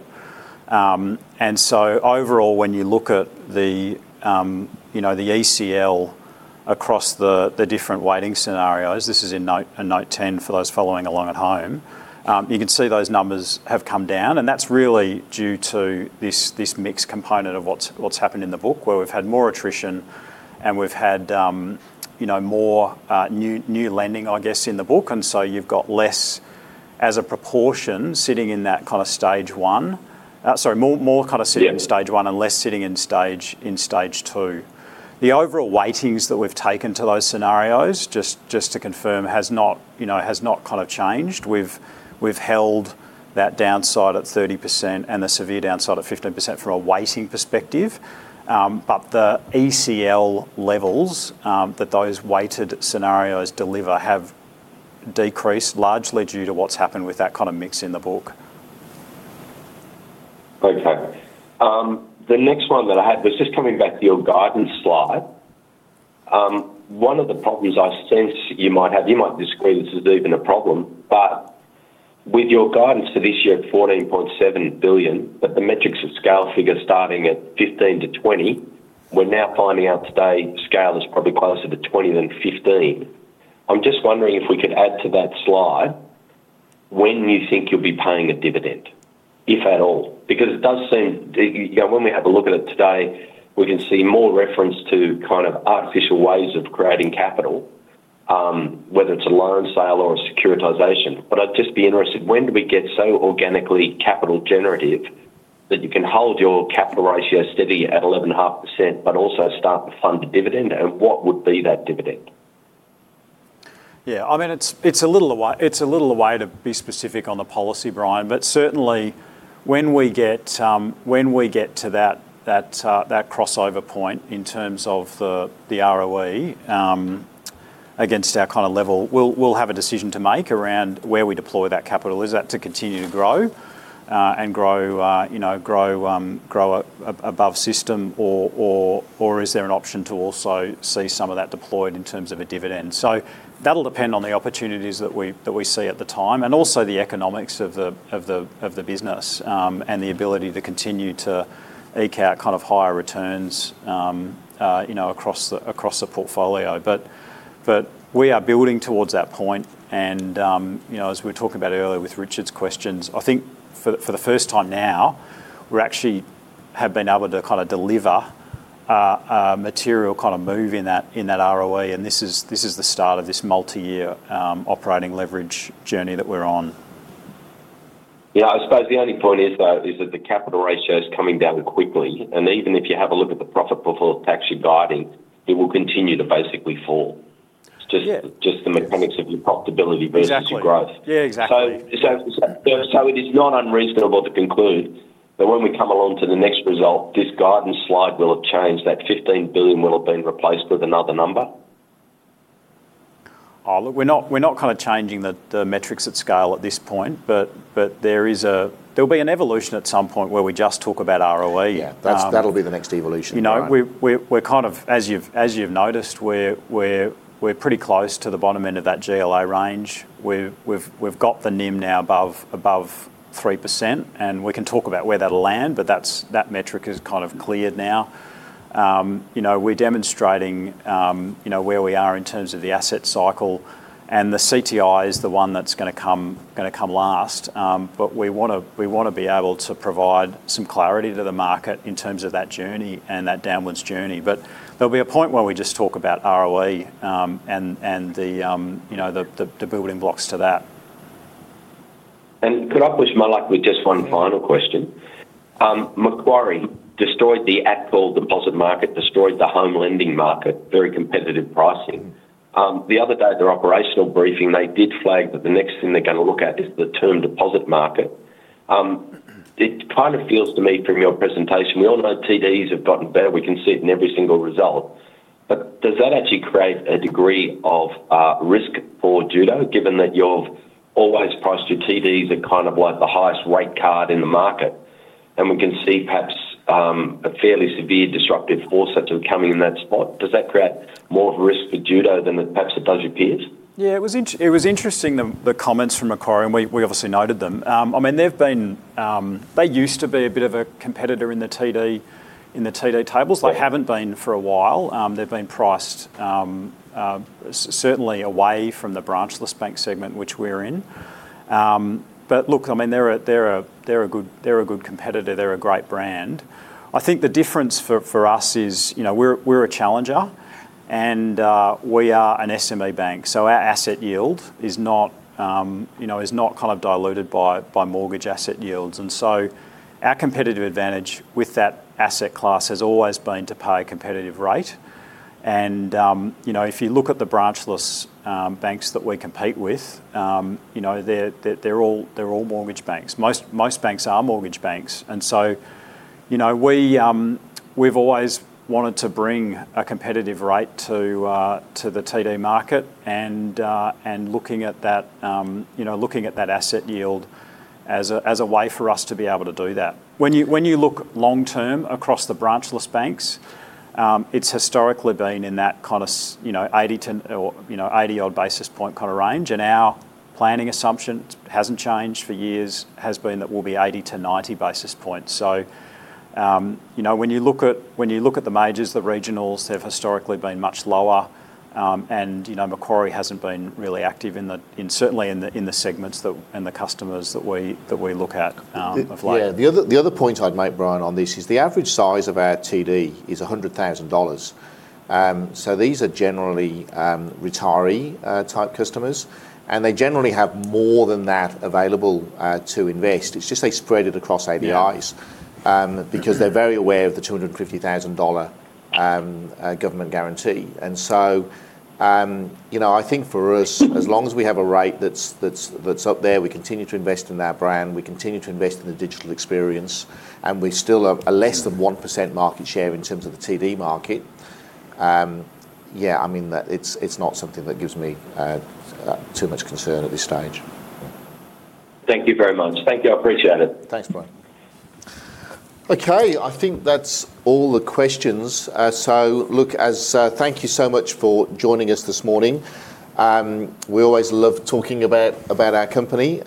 [SPEAKER 3] And so overall, when you look at the, you know, the ECL across the different weighting scenarios, this is in Note 10 for those following along at home, you can see those numbers have come down, and that's really due to this mixed component of what's happened in the book, where we've had more attrition and we've had, you know, more new lending, I guess, in the book, and so you've got less as a proportion sitting in that kind of Stage 1. Sorry, more kind of sitting in Stage 1 and less sitting in Stage 2. The overall weightings that we've taken to those scenarios, just to confirm, has not, you know, has not kind of changed. We've held that downside at 30% and the severe downside at 15% from a weighting perspective. But the ECL levels that those weighted scenarios deliver have decreased, largely due to what's happened with that kind of mix in the book.
[SPEAKER 16] Okay. The next one that I had was just coming back to your guidance slide. One of the problems I sense you might have, you might disagree, this is even a problem, but with your guidance for this year at 14.7 billion, but the metrics of scale figure starting at 15-20, we're now finding out today, scale is probably closer to 20 than 15. I'm just wondering if we could add to that slide when you think you'll be paying a dividend, if at all? Because it does seem, you know, when we have a look at it today, we can see more reference to kind of artificial ways of creating capital, whether it's a loan sale or a securitization. I'd just be interested, when do we get so organically capital generative that you can hold your capital ratio steady at 11.5%, but also start to fund a dividend? And what would be that dividend?
[SPEAKER 3] Yeah, I mean, it's a little away to be specific on the policy, Brian, but certainly when we get to that crossover point in terms of the ROE against our kind of level, we'll have a decision to make around where we deploy that capital. Is that to continue to grow and grow, you know, grow above system, or is there an option to also see some of that deployed in terms of a dividend? So that'll depend on the opportunities that we see at the time, and also the economics of the business, and the ability to continue to eke out kind of higher returns, you know, across the portfolio. But we are building towards that point, and, you know, as we were talking about earlier with Richard's questions, I think for the first time now, we actually have been able to kind of deliver a material kind of move in that ROE, and this is the start of this multi-year operating leverage journey that we're on.
[SPEAKER 16] Yeah, I suppose the only point is, though, is that the capital ratio is coming down quickly, and even if you have a look at the profit before tax you're guiding, it will continue to basically fall.
[SPEAKER 3] Yeah.
[SPEAKER 16] Just the mechanics of your profitability-
[SPEAKER 3] Exactly
[SPEAKER 16] Versus your growth.
[SPEAKER 3] Yeah, exactly.
[SPEAKER 16] It is not unreasonable to conclude that when we come along to the next result, this guidance slide will have changed, that 15 billion will have been replaced with another number?
[SPEAKER 3] Look, we're not, we're not kind of changing the metrics at scale at this point, but there'll be an evolution at some point where we just talk about ROE.
[SPEAKER 16] Yeah, that's, that'll be the next evolution, right?
[SPEAKER 3] You know, we're kind of, as you've noticed, we're pretty close to the bottom end of that GLA range. We've got the NIM now above 3%, and we can talk about where that'll land, but that's that metric is kind of cleared now. You know, we're demonstrating, you know, where we are in terms of the asset cycle, and the CTI is the one that's gonna come last. But we wanna be able to provide some clarity to the market in terms of that journey and that downwards journey. But there'll be a point where we just talk about ROE, and the, you know, the building blocks to that.
[SPEAKER 16] Could I push my luck with just one final question? Macquarie destroyed the at-call deposit market, destroyed the home lending market, very competitive pricing. The other day, their operational briefing, they did flag that the next thing they're gonna look at is the term deposit market. It kind of feels to me from your presentation, we all know TDs have gotten better. We can see it in every single result. But does that actually create a degree of risk for Judo, given that you've always priced your TDs at kind of like the highest rate card in the market, and we can see perhaps a fairly severe disruptive force that's coming in that spot? Does that create more of a risk for Judo than perhaps it does your peers?
[SPEAKER 3] Yeah, it was interesting, the comments from Macquarie, and we obviously noted them. I mean, they've been, they used to be a bit of a competitor in the TD tables. They haven't been for a while. They've been priced certainly away from the branchless bank segment, which we're in. But look, I mean, they're a good competitor. They're a great brand. I think the difference for us is, you know, we're a challenger, and we are an SME bank, so our asset yield is not, you know, is not kind of diluted by mortgage asset yields. And so our competitive advantage with that asset class has always been to pay a competitive rate. You know, if you look at the branchless banks that we compete with, you know, they're all mortgage banks. Most banks are mortgage banks, and so you know, we've always wanted to bring a competitive rate to the TD market, and looking at that, you know, looking at that asset yield as a way for us to be able to do that. When you look long term across the branchless banks, it's historically been in that kind of 80 or, you know, 80-odd basis point kind of range, and our planning assumption hasn't changed for years, has been that we'll be 80-90 basis points. You know, when you look at the majors, the regionals, they've historically been much lower. You know, Macquarie hasn't been really active in certainly the segments and the customers that we look at, of late.
[SPEAKER 2] Yeah. The other point I'd make, Brian, on this is the average size of our TD is 100,000 dollars. So these are generally retiree type customers, and they generally have more than that available to invest. It's just they spread it across ADIs-
[SPEAKER 3] Yeah
[SPEAKER 2] Because they're very aware of the 250,000 dollar government guarantee. And so, you know, I think for us, as long as we have a rate that's up there, we continue to invest in our brand, we continue to invest in the digital experience, and we still have a less than 1% market share in terms of the TD market. Yeah, I mean, it's not something that gives me too much concern at this stage.
[SPEAKER 16] Thank you very much. Thank you. I appreciate it.
[SPEAKER 2] Thanks, Brian. Okay, I think that's all the questions. So look, as thank you so much for joining us this morning. We always love talking about our company.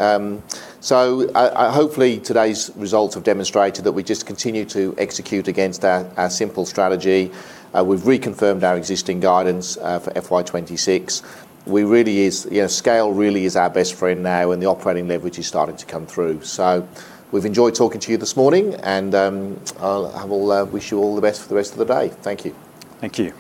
[SPEAKER 2] So I hopefully, today's results have demonstrated that we just continue to execute against our simple strategy. We've reconfirmed our existing guidance for FY 2026. We really is, you know, scale really is our best friend now, and the operating leverage is starting to come through. So we've enjoyed talking to you this morning, and I'll have all wish you all the best for the rest of the day. Thank you.
[SPEAKER 3] Thank you.